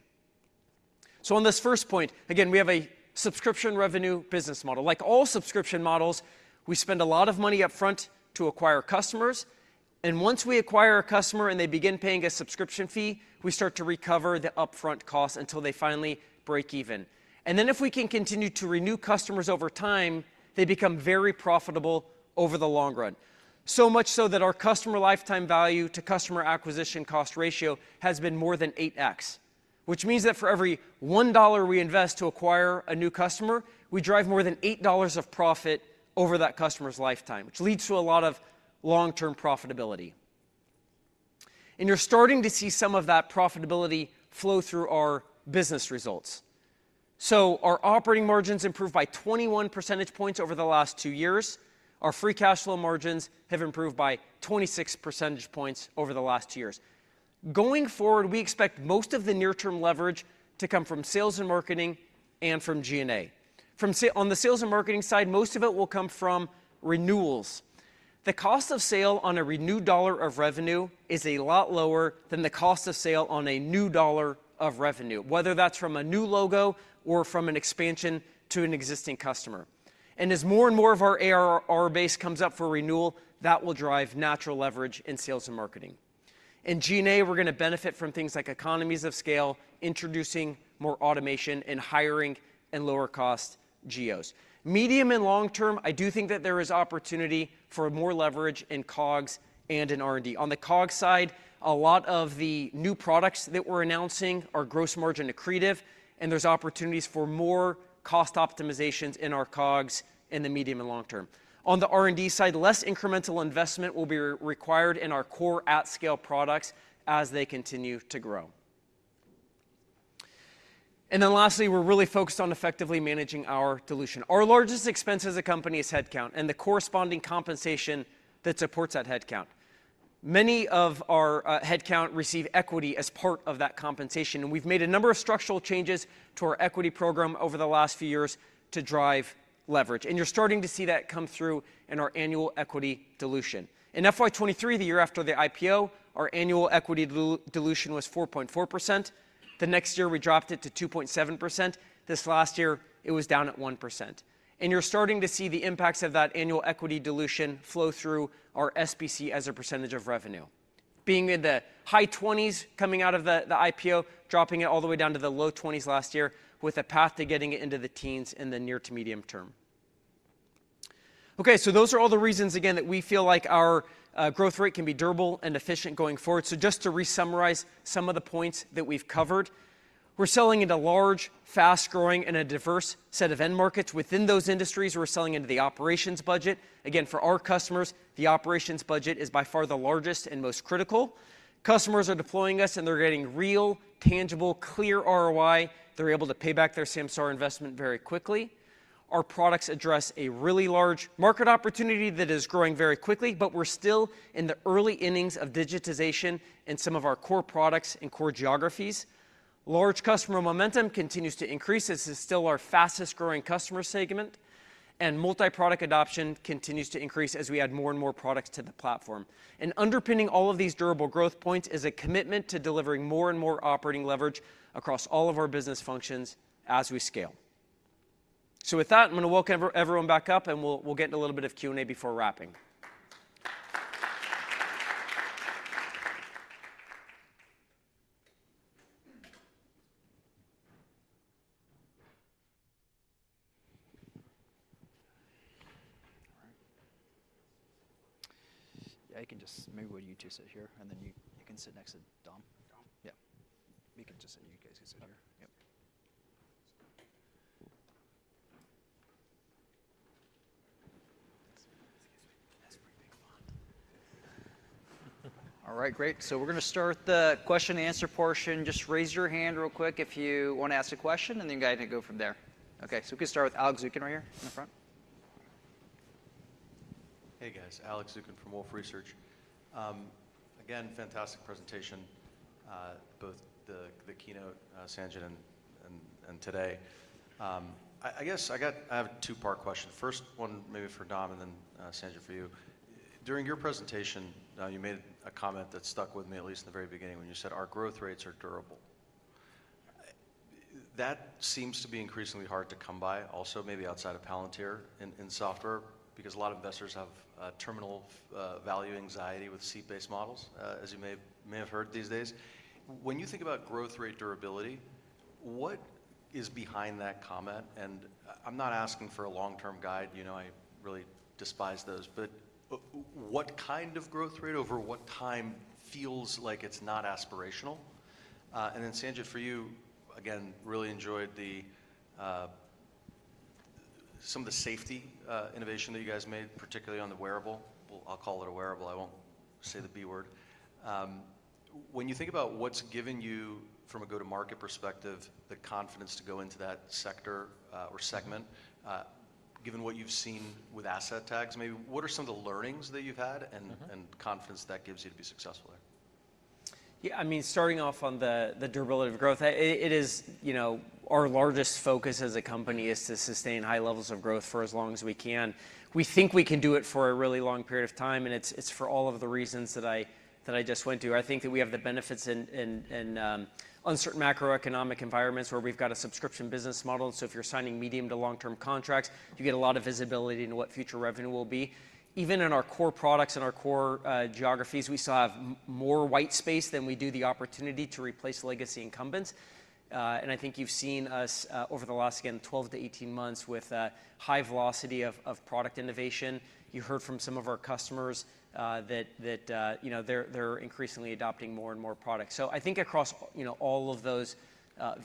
On this first point, again, we have a subscription revenue business model. Like all subscription models, we spend a lot of money upfront to acquire customers. Once we acquire a customer and they begin paying a subscription fee, we start to recover the upfront costs until they finally break even. If we can continue to renew customers over time, they become very profitable over the long run. So much so that our customer lifetime value to customer acquisition cost ratio has been more than 8x, which means that for every $1 we invest to acquire a new customer, we drive more than $8 of profit over that customer's lifetime, which leads to a lot of long-term profitability. You are starting to see some of that profitability flow through our business results. Our operating margins improved by 21 percentage points over the last two years. Our free cash flow margins have improved by 26 percentage points over the last two years. Going forward, we expect most of the near-term leverage to come from sales and marketing and from G&A. On the sales and marketing side, most of it will come from renewals. The cost of sale on a renewed dollar of revenue is a lot lower than the cost of sale on a new dollar of revenue, whether that's from a new logo or from an expansion to an existing customer. As more and more of our ARR base comes up for renewal, that will drive natural leverage in sales and marketing. In G&A, we're going to benefit from things like economies of scale, introducing more automation and hiring in lower-cost GOs. Medium and long-term, I do think that there is opportunity for more leverage in COGS and in R&D. On the COGS side, a lot of the new products that we're announcing are gross margin accretive, and there's opportunities for more cost optimizations in our COGS in the medium and long term. On the R&D side, less incremental investment will be required in our core at-scale products as they continue to grow. Lastly, we're really focused on effectively managing our dilution. Our largest expense as a company is headcount and the corresponding compensation that supports that headcount. Many of our headcount receive equity as part of that compensation. We've made a number of structural changes to our equity program over the last few years to drive leverage. You're starting to see that come through in our annual equity dilution. In FY 2023, the year after the IPO, our annual equity dilution was 4.4%. The next year, we dropped it to 2.7%. This last year, it was down at 1%. You're starting to see the impacts of that annual equity dilution flow through our SBC as a percentage of revenue, being in the high 20s coming out of the IPO, dropping it all the way down to the low 20s last year with a path to getting it into the teens in the near to medium term. Those are all the reasons, again, that we feel like our growth rate can be durable and efficient going forward. Just to resummarize some of the points that we've covered, we're selling into large, fast-growing, and a diverse set of end markets. Within those industries, we're selling into the operations budget. Again, for our customers, the operations budget is by far the largest and most critical. Customers are deploying us, and they're getting real, tangible, clear ROI. They're able to pay back their Samsara investment very quickly. Our products address a really large market opportunity that is growing very quickly, but we're still in the early innings of digitization in some of our core products and core geographies. Large customer momentum continues to increase. This is still our fastest-growing customer segment. Multi-product adoption continues to increase as we add more and more products to the platform. Underpinning all of these durable growth points is a commitment to delivering more and more operating leverage across all of our business functions as we scale. With that, I'm going to welcome everyone back up, and we'll get into a little bit of Q&A before wrapping. Yeah, you can just maybe what you two sit here, and then you can sit next to Dom. Dom? Yeah. You can just sit here. You guys can sit here. Yep. That's pretty big font. All right, great. We're going to start the question-and-answer portion. Just raise your hand real quick if you want to ask a question, and then you guys can go from there. Okay, we can start with Alex Zukin right here in the front. Hey, guys. Alex Zukin from Wolfe Research. Again, fantastic presentation, both the keynote, Sanjit, and today. I guess I have a two-part question. First one, maybe for Dom, and then Sanjit for you. During your presentation, you made a comment that stuck with me, at least in the very beginning, when you said, "Our growth rates are durable." That seems to be increasinglys hard to come by, also maybe outside of Palantir in software, because a lot of investors have terminal value anxiety with seed-based models, as you may have heard these days. When you think about growth rate durability, what is behind that comment? I'm not asking for a long-term guide. I really despise those. What kind of growth rate over what time feels like it's not aspirational? Sanjit, for you, again, really enjoyed some of the safety innovation that you guys made, particularly on the wearable. I'll call it a wearable. I won't say the B word. When you think about what's given you, from a go-to-market perspective, the confidence to go into that sector or segment, given what you've seen with asset tags, maybe what are some of the learnings that you've had and confidence that gives you to be successful there? Yeah, I mean, starting off on the durability of growth, our largest focus as a company is to sustain high levels of growth for as long as we can. We think we can do it for a really long period of time, and it's for all of the reasons that I just went to. I think that we have the benefits in uncertain macroeconomic environments where we've got a subscription business model. If you're signing medium to long-term contracts, you get a lot of visibility into what future revenue will be. Even in our core products and our core geographies, we still have more white space than we do the opportunity to replace legacy incumbents. I think you've seen us over the last, again, 12 months- 18 months with high velocity of product innovation. You heard from some of our customers that they're increasingly adopting more and more products. I think across all of those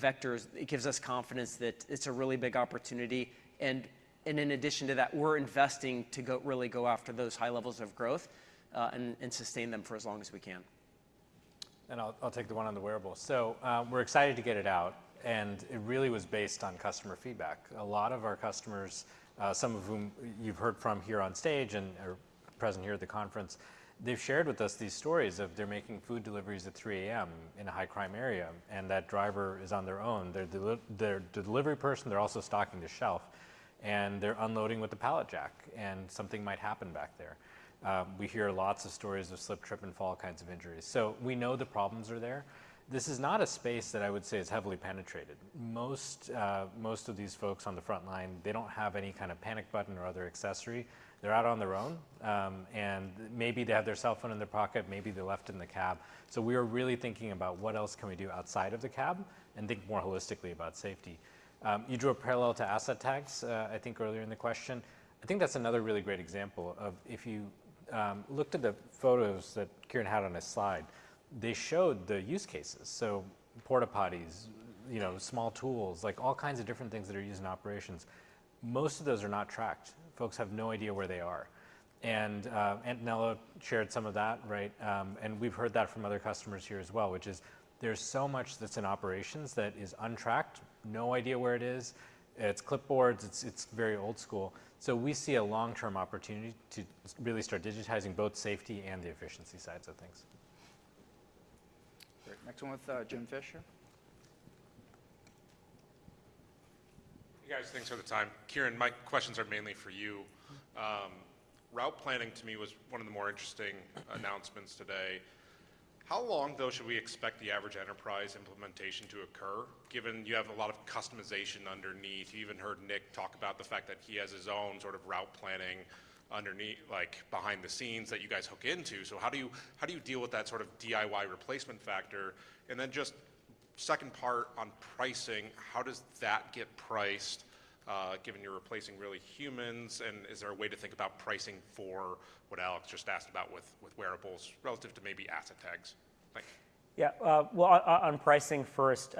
vectors, it gives us confidence that it's a really big opportunity. In addition to that, we're investing to really go after those high levels of growth and sustain them for as long as we can. I'll take the one on the wearable. We're excited to get it out, and it really was based on customer feedback. A lot of our customers, some of whom you've heard from here on stage and are present here at the conference, they've shared with us these stories of they're making food deliveries at 3:00 A.M. in a high-crime area, and that driver is on their own. They're the delivery person. They're also stocking the shelf, and they're unloading with the pallet jack, and something might happen back there. We hear lots of stories of slip, trip, and fall kinds of injuries. We know the problems are there. This is not a space that I would say is heavily penetrated. Most of these folks on the front line, they don't have any kind of panic button or other accessory. They're out on their own, and maybe they have their cell phone in their pocket. Maybe they're left in the cab. We are really thinking about what else can we do outside of the cab and think more holistically about safety. You drew a parallel to Asset Tag, I think, earlier in the question. I think that's another really great example of if you looked at the photos that Kiren had on his slide, they showed the use cases. Porta-potties, small tools, like all kinds of different things that are used in operations. Most of those are not tracked. Folks have no idea where they are. And Antonello Davi shared some of that, right? We've heard that from other customers here as well, which is there's so much that's in operations that is untracked, no idea where it is. It's clipboards. It's very old school. We see a long-term opportunity to really start digitizing both safety and the efficiency sides of things. Great. Next one with Jim Fish. Hey, guys. Thanks for the time. Kiren, my questions are mainly for you. Route planning, to me, was one of the more interesting announcements today. How long, though, should we expect the average enterprise implementation to occur, given you have a lot of customization underneath? You even heard Nick talk about the fact that he has his own sort of route planning behind the scenes that you guys hook into. How do you deal with that sort of DIY replacement factor? Just second part on pricing, how does that get priced, given you're replacing really humans? Is there a way to think about pricing for what Alex just asked about with wearables relative to maybe Asset Tags? Thanks. Yeah. On pricing first,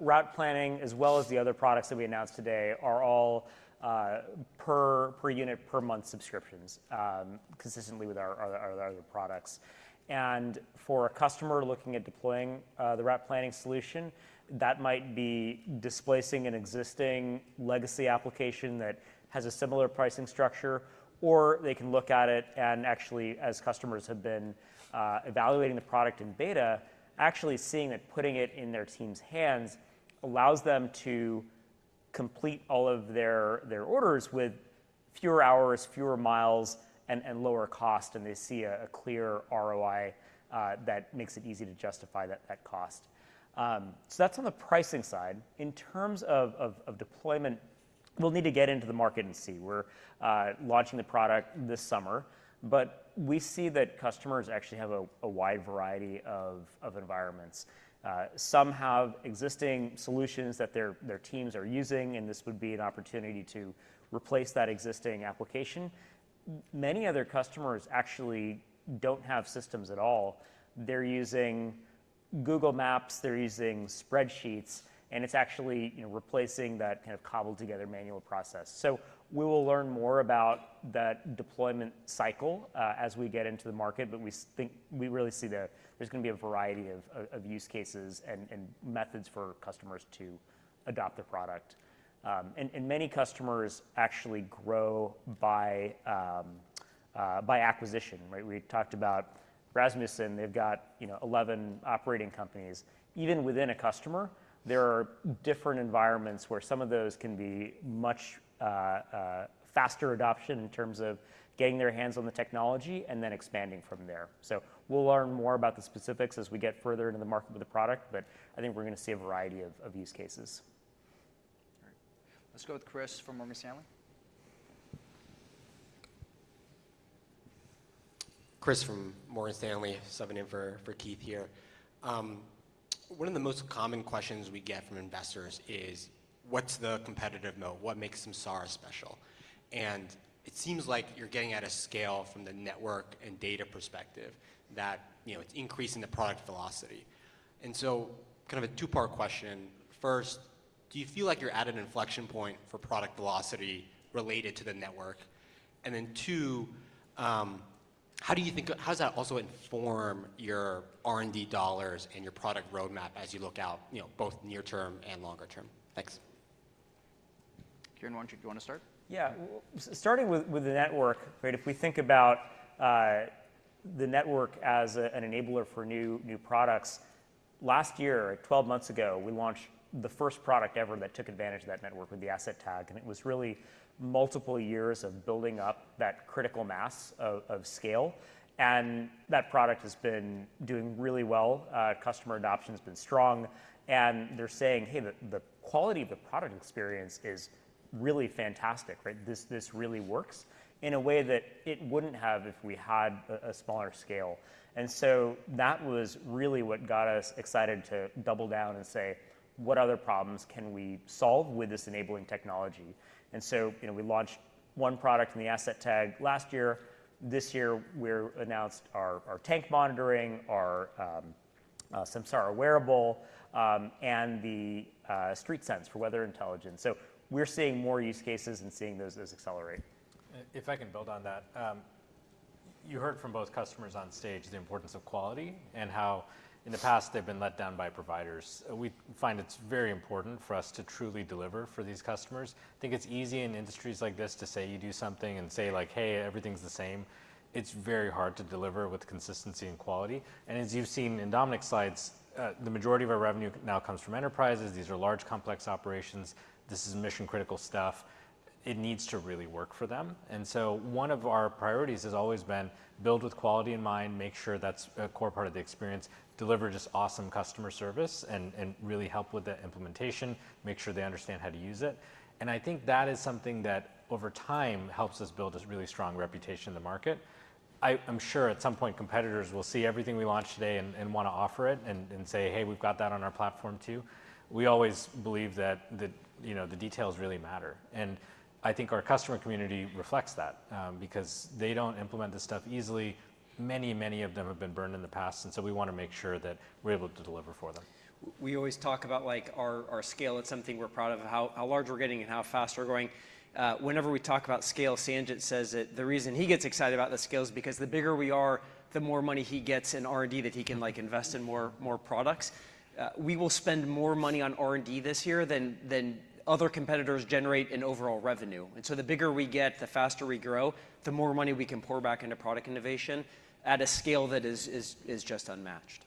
route planning, as well as the other products that we announced today, are all per unit, per month subscriptions consistently with our other products. For a customer looking at deploying the route planning solution, that might be displacing an existing legacy application that has a similar pricing structure, or they can look at it and actually, as customers have been evaluating the product in beta, actually seeing that putting it in their team's hands allows them to complete all of their orders with fewer hours, fewer miles, and lower cost, and they see a clear ROI that makes it easy to justify that cost. That's on the pricing side. In terms of deployment, we'll need to get into the market and see. We're launching the product this summer, but we see that customers actually have a wide variety of environments. Some have existing solutions that their teams are using, and this would be an opportunity to replace that existing application. Many other customers actually don't have systems at all. They're using Google Maps. They're using spreadsheets, and it's actually replacing that kind of cobbled-together manual process. We will learn more about that deployment cycle as we get into the market, but we really see that there's going to be a variety of use cases and methods for customers to adopt the product. Many customers actually grow by acquisition, right? We talked about Rasmussen. They've got 11 operating companies. Even within a customer, there are different environments where some of those can be much faster adoption in terms of getting their hands on the technology and then expanding from there. We'll learn more about the specifics as we get further into the market with the product, but I think we're going to see a variety of use cases. All right. Let's go with Chris from Morgan Stanley. Chris from Morgan Stanley. Subbing in for Keith here. One of the most common questions we get from investors is, "What's the competitive moat? What makes Samsara special?" It seems like you're getting at a scale from the network and data perspective that it's increasing the product velocity. Kind of a two-part question. First, do you feel like you're at an inflection point for product velocity related to the network? How do you think how does that also inform your R&D dollars and your product roadmap as you look out both near-term and longer-term? Thanks. Kiren, do you want to start? Yeah. Starting with the network, right? If we think about the network as an enabler for new products, last year, 12 months ago, we launched the first product ever that took advantage of that network with the Asset Tag. It was really multiple years of building up that critical mass of scale. That product has been doing really well. Customer adoption has been strong. They are saying, "Hey, the quality of the product experience is really fantastic, right? This really works in a way that it would not have if we had a smaller scale. That was really what got us excited to double down and say, "What other problems can we solve with this enabling technology?" We launched one product in the Asset Tag last year. This year, we announced our tank monitoring, our Samsara Wearable, and the StreetSense for Weather Intelligence. We are seeing more use cases and seeing those accelerate. If I can build on that, you heard from both customers on stage the importance of quality and how in the past they have been let down by providers. We find it is very important for us to truly deliver for these customers. I think it is easy in industries like this to say you do something and say like, "Hey, everything is the same." It is very hard to deliver with consistency and quality. As you have seen in Dominic's slides, the majority of our revenue now comes from enterprises. These are large complex operations. This is mission-critical stuff. It needs to really work for them. One of our priorities has always been build with quality in mind, make sure that is a core part of the experience, deliver just awesome customer service, and really help with the implementation, make sure they understand how to use it. I think that is something that over time helps us build a really strong reputation in the market. I am sure at some point competitors will see everything we launch today and want to offer it and say, "Hey, we have got that on our platform too." We always believe that the details really matter. I think our customer community reflects that because they do not implement this stuff easily. Many, many of them have been burned in the past, and so we want to make sure that we're able to deliver for them. We always talk about our scale. It's something we're proud of, how large we're getting and how fast we're going. Whenever we talk about scale, Sanjit says that the reason he gets excited about the scale is because the bigger we are, the more money he gets in R&D that he can invest in more products. We will spend more money on R&D this year than other competitors generate in overall revenue. The bigger we get, the faster we grow, the more money we can pour back into product innovation at a scale that is just unmatched.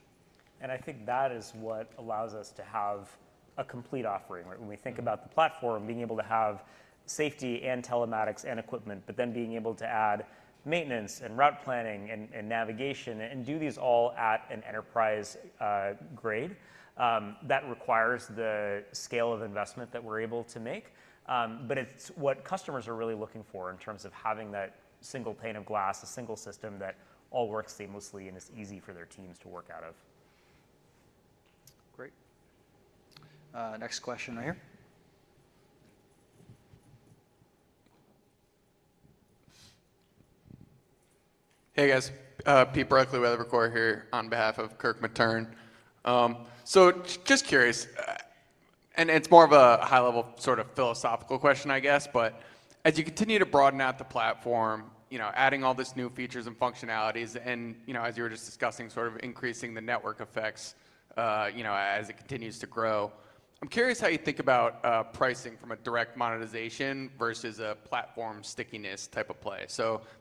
I think that is what allows us to have a complete offering. When we think about the platform, being able to have safety and telematics and equipment, but then being able to add maintenance and route planning and navigation and do these all at an enterprise grade, that requires the scale of investment that we're able to make. It is what customers are really looking for in terms of having that single pane of glass, a single system that all works seamlessly and is easy for their teams to work out of. Great. Next question right here. Hey, guys. Peter Burkly with Evercore here on behalf of Kirk Materne. Just curious, and it's more of a high-level sort of philosophical question, I guess, but as you continue to broaden out the platform, adding all these new features and functionalities, and as you were just discussing, sort of increasing the network effects as it continues to grow, I'm curious how you think about pricing from a direct monetization versus a platform stickiness type of play.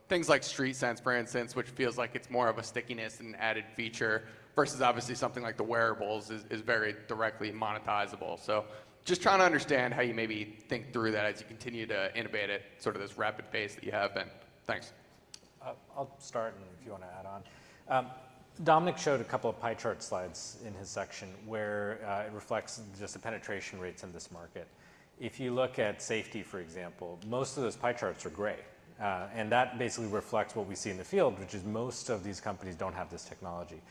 Things like StreetSense, for instance, which feels like it's more of a stickiness and added feature versus obviously something like the wearables is very directly monetizable. Just trying to understand how you maybe think through that as you continue to innovate at sort of this rapid pace that you have been. Thanks. I'll start, and if you want to add on. Dominic showed a couple of pie chart slides in his section where it reflects just the penetration rates in this market. If you look at safety, for example, most of those pie charts are gray. That basically reflects what we see in the field, which is most of these companies do not have this technology.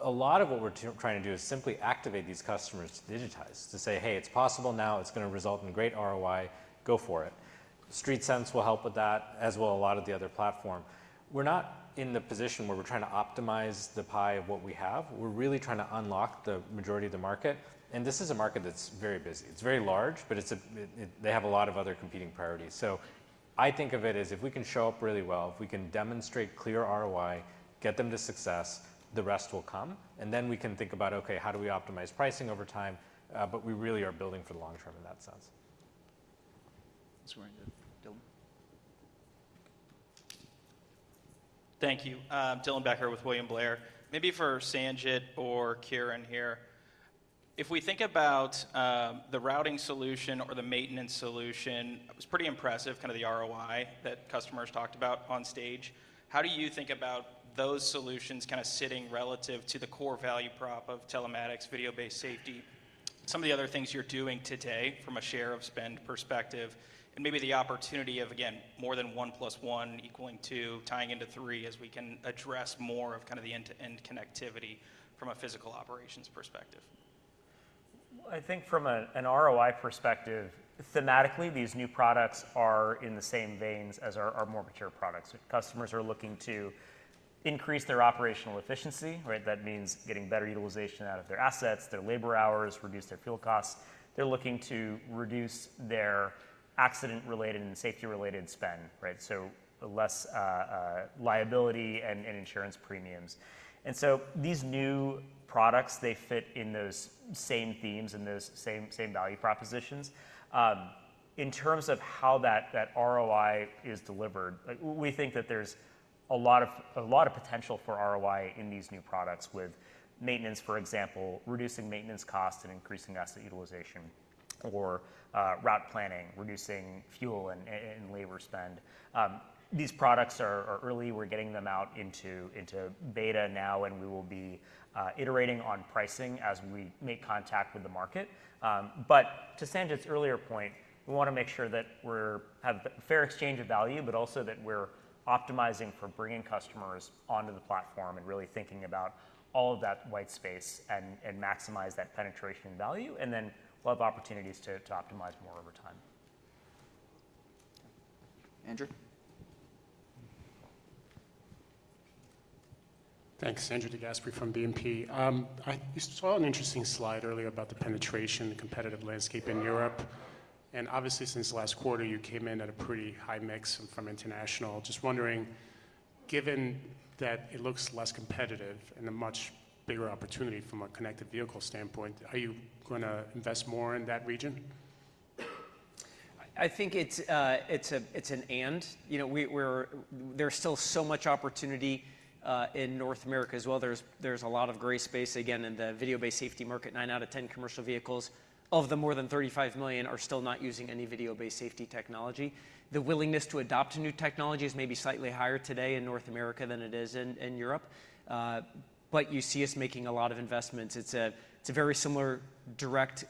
A lot of what we are trying to do is simply activate these customers to digitize, to say, "Hey, it is possible now. It is going to result in great ROI. Go for it." StreetSense will help with that, as will a lot of the other platform. We are not in the position where we are trying to optimize the pie of what we have. We are really trying to unlock the majority of the market. This is a market that is very busy. It is very large, but they have a lot of other competing priorities. I think of it as if we can show up really well, if we can demonstrate clear ROI, get them to success, the rest will come. Then we can think about, "Okay, how do we optimize pricing over time?" We really are building for the long term in that sense. Thanks, right there. Dylan. Thank you. Dylan Becker with William Blair. Maybe for Sanjit or Kiran here, if we think about the routing solution or the maintenance solution, it was pretty impressive, kind of the ROI that customers talked about on stage. How do you think about those solutions kind of sitting relative to the core value prop of telematics, video-based safety, some of the other things you're doing today from a share of spend perspective, and maybe the opportunity of, again, more than one plus one equaling two, tying into three as we can address more of kind of the end-to-end connectivity from a physical operations perspective? I think from an ROI perspective, thematically, these new products are in the same veins as our more mature products. Customers are looking to increase their operational efficiency, right? That means getting better utilization out of their assets, their labor hours, reduce their fuel costs. They're looking to reduce their accident-related and safety-related spend, right? So less liability and insurance premiums. These new products, they fit in those same themes and those same value propositions. In terms of how that ROI is delivered, we think that there's a lot of potential for ROI in these new products with maintenance, for example, reducing maintenance costs and increasing asset utilization, or route planning, reducing fuel and labor spend. These products are early. We're getting them out into beta now, and we will be iterating on pricing as we make contact with the market. To Sanjit's earlier point, we want to make sure that we have a fair exchange of value, but also that we're optimizing for bringing customers onto the platform and really thinking about all of that white space and maximize that penetration value, and then we'll have opportunities to optimize more over time. Andrew? Thanks. Andrew DeGasperi from BNP. I saw an interesting slide earlier about the penetration and competitive landscape in Europe. Obviously, since last quarter, you came in at a pretty high mix from international. Just wondering, given that it looks less competitive and a much bigger opportunity from a connected vehicle standpoint, are you going to invest more in that region? I think it is an and. There is still so much opportunity in North America as well. There is a lot of gray space, again, in the video-based safety market. Nine out of ten commercial vehicles, of the more than 35 million, are still not using any video-based safety technology. The willingness to adopt new technology is maybe slightly higher today in North America than it is in Europe. You see us making a lot of investments. It is a very similar direct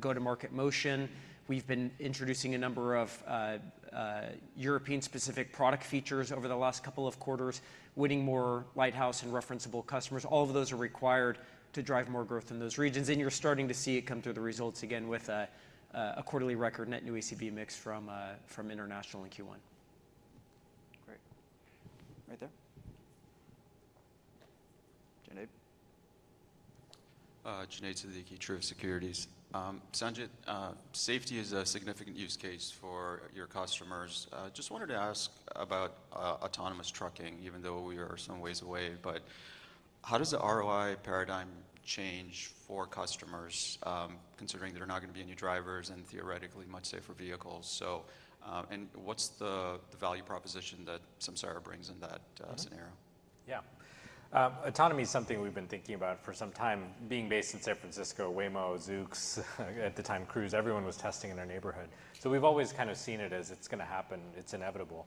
go-to-market motion. We have been introducing a number of European-specific product features over the last couple of quarters, winning more lighthouse and referenceable customers. All of those are required to drive more growth in those regions. You are starting to see it come through the results again with a quarterly record net new ECB mix from international in Q1. Great. Right there. Junaid? Junaid Siddiqui, Truist Securities. Sanjit, safety is a significant use case for your customers. Just wanted to ask about autonomous trucking, even though we are some ways away. How does the ROI paradigm change for customers, considering there are not going to be any drivers and theoretically much safer vehicles? What is the value proposition that Samsara brings in that scenario? Yeah. Autonomy is something we have been thinking about for some time. Being based in San Francisco, Waymo, Zoox, at the time Cruise, everyone was testing in their neighborhood. We have always kind of seen it as it is going to happen. It is inevitable.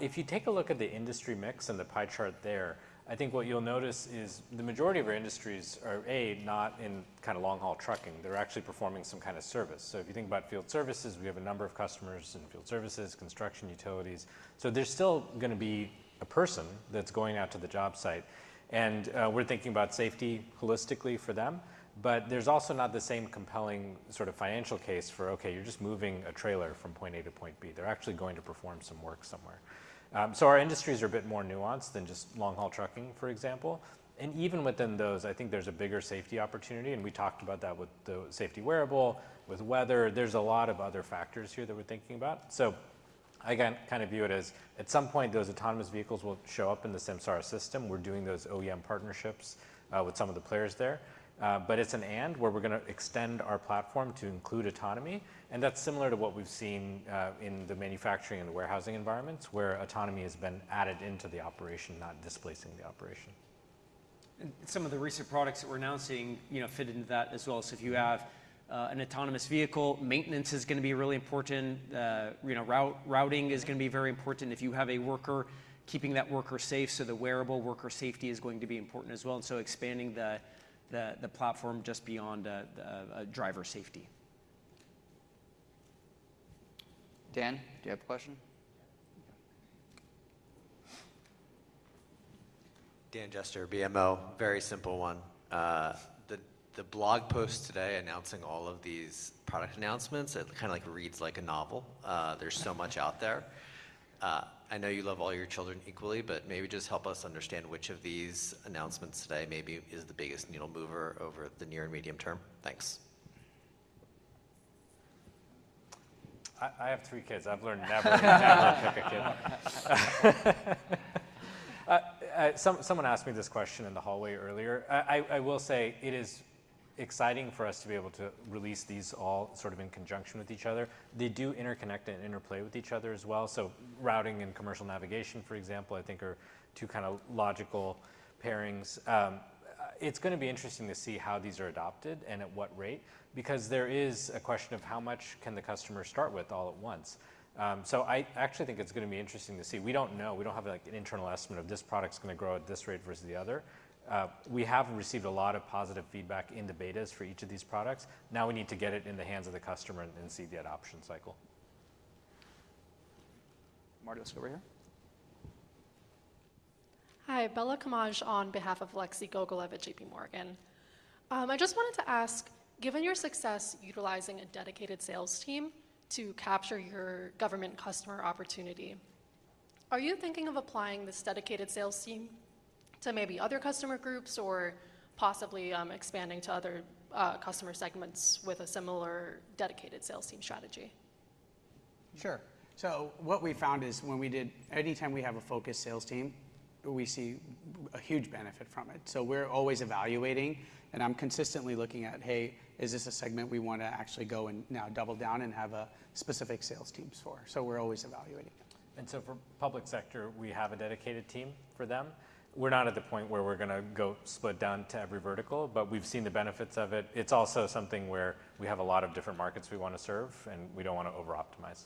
If you take a look at the industry mix and the pie chart there, I think what you'll notice is the majority of our industries are, A, not in kind of long-haul trucking. They're actually performing some kind of service. If you think about field services, we have a number of customers in field services, construction, utilities. There's still going to be a person that's going out to the job site. We're thinking about safety holistically for them. There's also not the same compelling sort of financial case for, "Okay, you're just moving a trailer from point A to point B." They're actually going to perform some work somewhere. Our industries are a bit more nuanced than just long-haul trucking, for example. Even within those, I think there's a bigger safety opportunity. We talked about that with the safety wearable, with weather. There's a lot of other factors here that we're thinking about. I kind of view it as at some point, those autonomous vehicles will show up in the Samsara system. We're doing those OEM partnerships with some of the players there. It's an and where we're going to extend our platform to include autonomy. That's similar to what we've seen in the manufacturing and the warehousing environments, where autonomy has been added into the operation, not displacing the operation. Some of the recent products that we're announcing fit into that as well. If you have an autonomous vehicle, maintenance is going to be really important. Routing is going to be very important. If you have a worker, keeping that worker safe. The wearable worker safety is going to be important as well. Expanding the platform just beyond driver safety. Dan, do you have a question? Dan Jester, BMO. Very simple one. The blog post today announcing all of these product announcements, it kind of reads like a novel. There is so much out there. I know you love all your children equally, but maybe just help us understand which of these announcements today maybe is the biggest needle mover over the near and medium term. Thanks. I have three kids. I have learned never to pick a kid. Someone asked me this question in the hallway earlier. I will say it is exciting for us to be able to release these all sort of in conjunction with each other. They do interconnect and interplay with each other as well. Routing and commercial navigation, for example, I think are two kind of logical pairings. It's going to be interesting to see how these are adopted and at what rate, because there is a question of how much can the customer start with all at once. I actually think it's going to be interesting to see. We don't know. We don't have an internal estimate of this product's going to grow at this rate versus the other. We have received a lot of positive feedback in the betas for each of these products. Now we need to get it in the hands of the customer and see the adoption cycle. over here. Hi, Bella Camaj on behalf of Alexei Gogolev at JPMorgan. I just wanted to ask, given your success utilizing a dedicated sales team to capture your government customer opportunity, are you thinking of applying this dedicated sales team to maybe other customer groups or possibly expanding to other customer segments with a similar dedicated sales team strategy? Sure. What we found is when we did, anytime we have a focused sales team, we see a huge benefit from it. We're always evaluating. I'm consistently looking at, "Hey, is this a segment we want to actually go and now double down and have a specific sales team for?" We're always evaluating. For public sector, we have a dedicated team for them. We're not at the point where we're going to go split down to every vertical, but we've seen the benefits of it. It's also something where we have a lot of different markets we want to serve, and we don't want to over-optimize.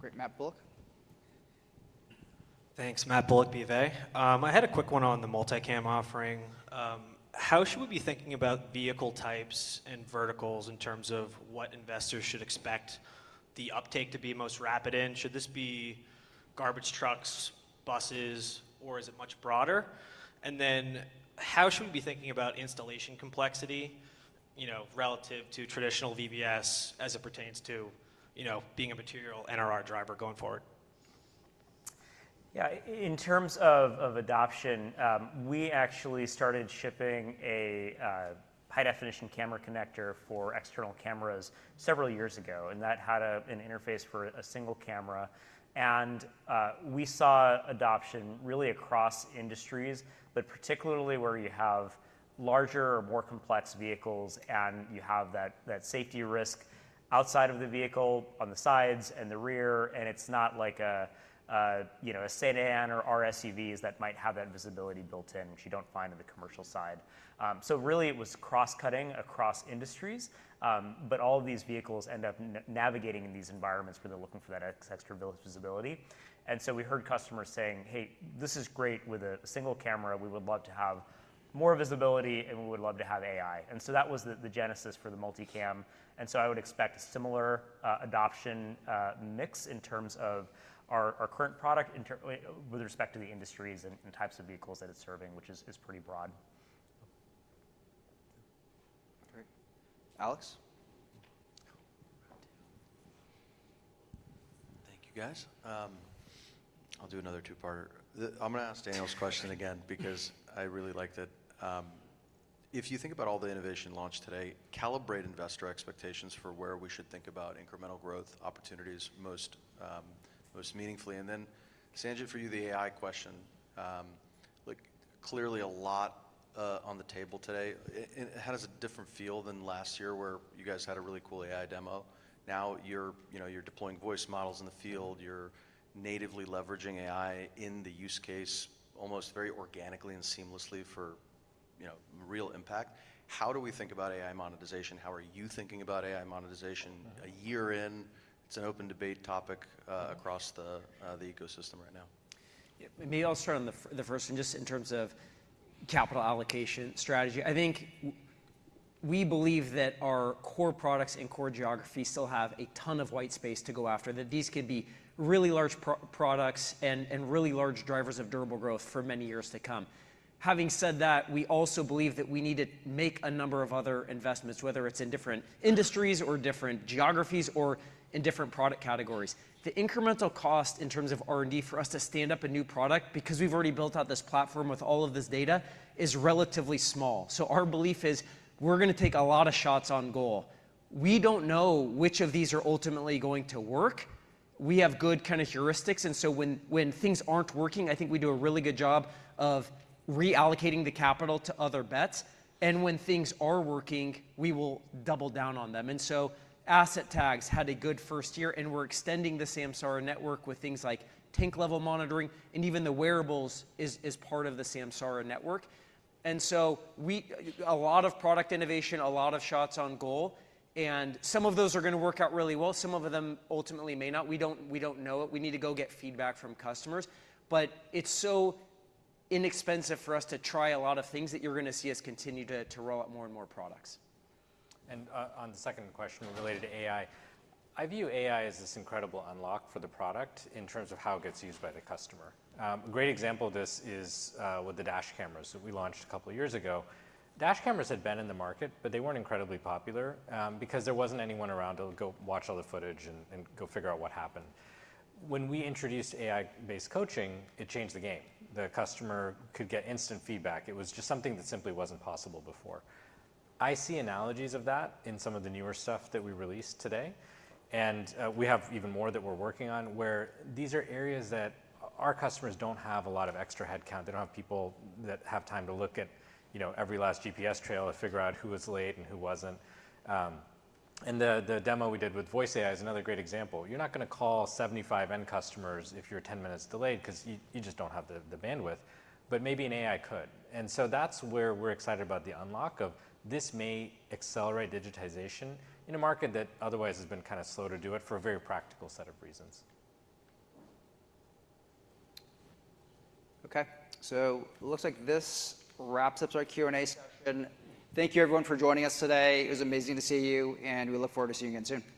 Great. Matt Bullock. Thanks. Matt Bullock, BofA. I had a quick one on the multicam offering. How should we be thinking about vehicle types and verticals in terms of what investors should expect the uptake to be most rapid in? Should this be garbage trucks, buses, or is it much broader? And then how should we be thinking about installation complexity relative to traditional VBS as it pertains to being a material NRR driver going forward? Yeah. In terms of adoption, we actually started shipping a high-definition camera connector for external cameras several years ago, and that had an interface for a single camera. We saw adoption really across industries, particularly where you have larger or more complex vehicles and you have that safety risk outside of the vehicle on the sides and the rear. It's not like a sedan or RSUVs that might have that visibility built in, which you don't find on the commercial side. It was cross-cutting across industries, but all of these vehicles end up navigating in these environments where they're looking for that extra visibility. We heard customers saying, "Hey, this is great with a single camera. We would love to have more visibility, and we would love to have AI." That was the genesis for the multicam. I would expect a similar adoption mix in terms of our current product with respect to the industries and types of vehicles that it's serving, which is pretty broad. Great. Alex? Thank you, guys. I'll do another two-parter. I'm going to ask Daniel's question again because I really liked it. If you think about all the innovation launched today, calibrate investor expectations for where we should think about incremental growth opportunities most meaningfully. And then, Sanjit, for you, the AI question. Clearly, a lot on the table today. It has a different feel than last year where you guys had a really cool AI demo. Now you're deploying voice models in the field. You're natively leveraging AI in the use case almost very organically and seamlessly for real impact. How do we think about AI monetization? How are you thinking about AI monetization a year in? It's an open debate topic across the ecosystem right now. Maybe I'll start on the first one just in terms of capital allocation strategy. I think we believe that our core products and core geography still have a ton of white space to go after, that these could be really large products and really large drivers of durable growth for many years to come. Having said that, we also believe that we need to make a number of other investments, whether it's in different industries or different geographies or in different product categories. The incremental cost in terms of R&D for us to stand up a new product because we've already built out this platform with all of this data is relatively small. Our belief is we're going to take a lot of shots on goal. We don't know which of these are ultimately going to work. We have good kind of heuristics. When things are not working, I think we do a really good job of reallocating the capital to other bets. When things are working, we will double down on them. Asset Tags had a good first year, and we are extending the Samsara network with things like tank-level monitoring, and even the wearables is part of the Samsara network. There is a lot of product innovation, a lot of shots on goal. Some of those are going to work out really well. Some of them ultimately may not. We do not know it. We need to go get feedback from customers. It is so inexpensive for us to try a lot of things that you are going to see us continue to roll out more and more products. On the second question related to AI, I view AI as this incredible unlock for the product in terms of how it gets used by the customer. A great example of this is with the dash cameras that we launched a couple of years ago. Dash cameras had been in the market, but they were not incredibly popular because there was not anyone around to go watch all the footage and go figure out what happened. When we introduced AI-based coaching, it changed the game. The customer could get instant feedback. It was just something that simply was not possible before. I see analogies of that in some of the newer stuff that we released today. We have even more that we are working on where these are areas that our customers do not have a lot of extra headcount. They don't have people that have time to look at every last GPS trail to figure out who was late and who wasn't. The demo we did with Voice AI is another great example. You're not going to call 75 end customers if you're 10 minutes delayed because you just don't have the bandwidth. Maybe an AI could. That's where we're excited about the unlock of this may accelerate digitization in a market that otherwise has been kind of slow to do it for a very practical set of reasons. Okay. It looks like this wraps up our Q&A session. Thank you, everyone, for joining us today. It was amazing to see you, and we look forward to seeing you again soon.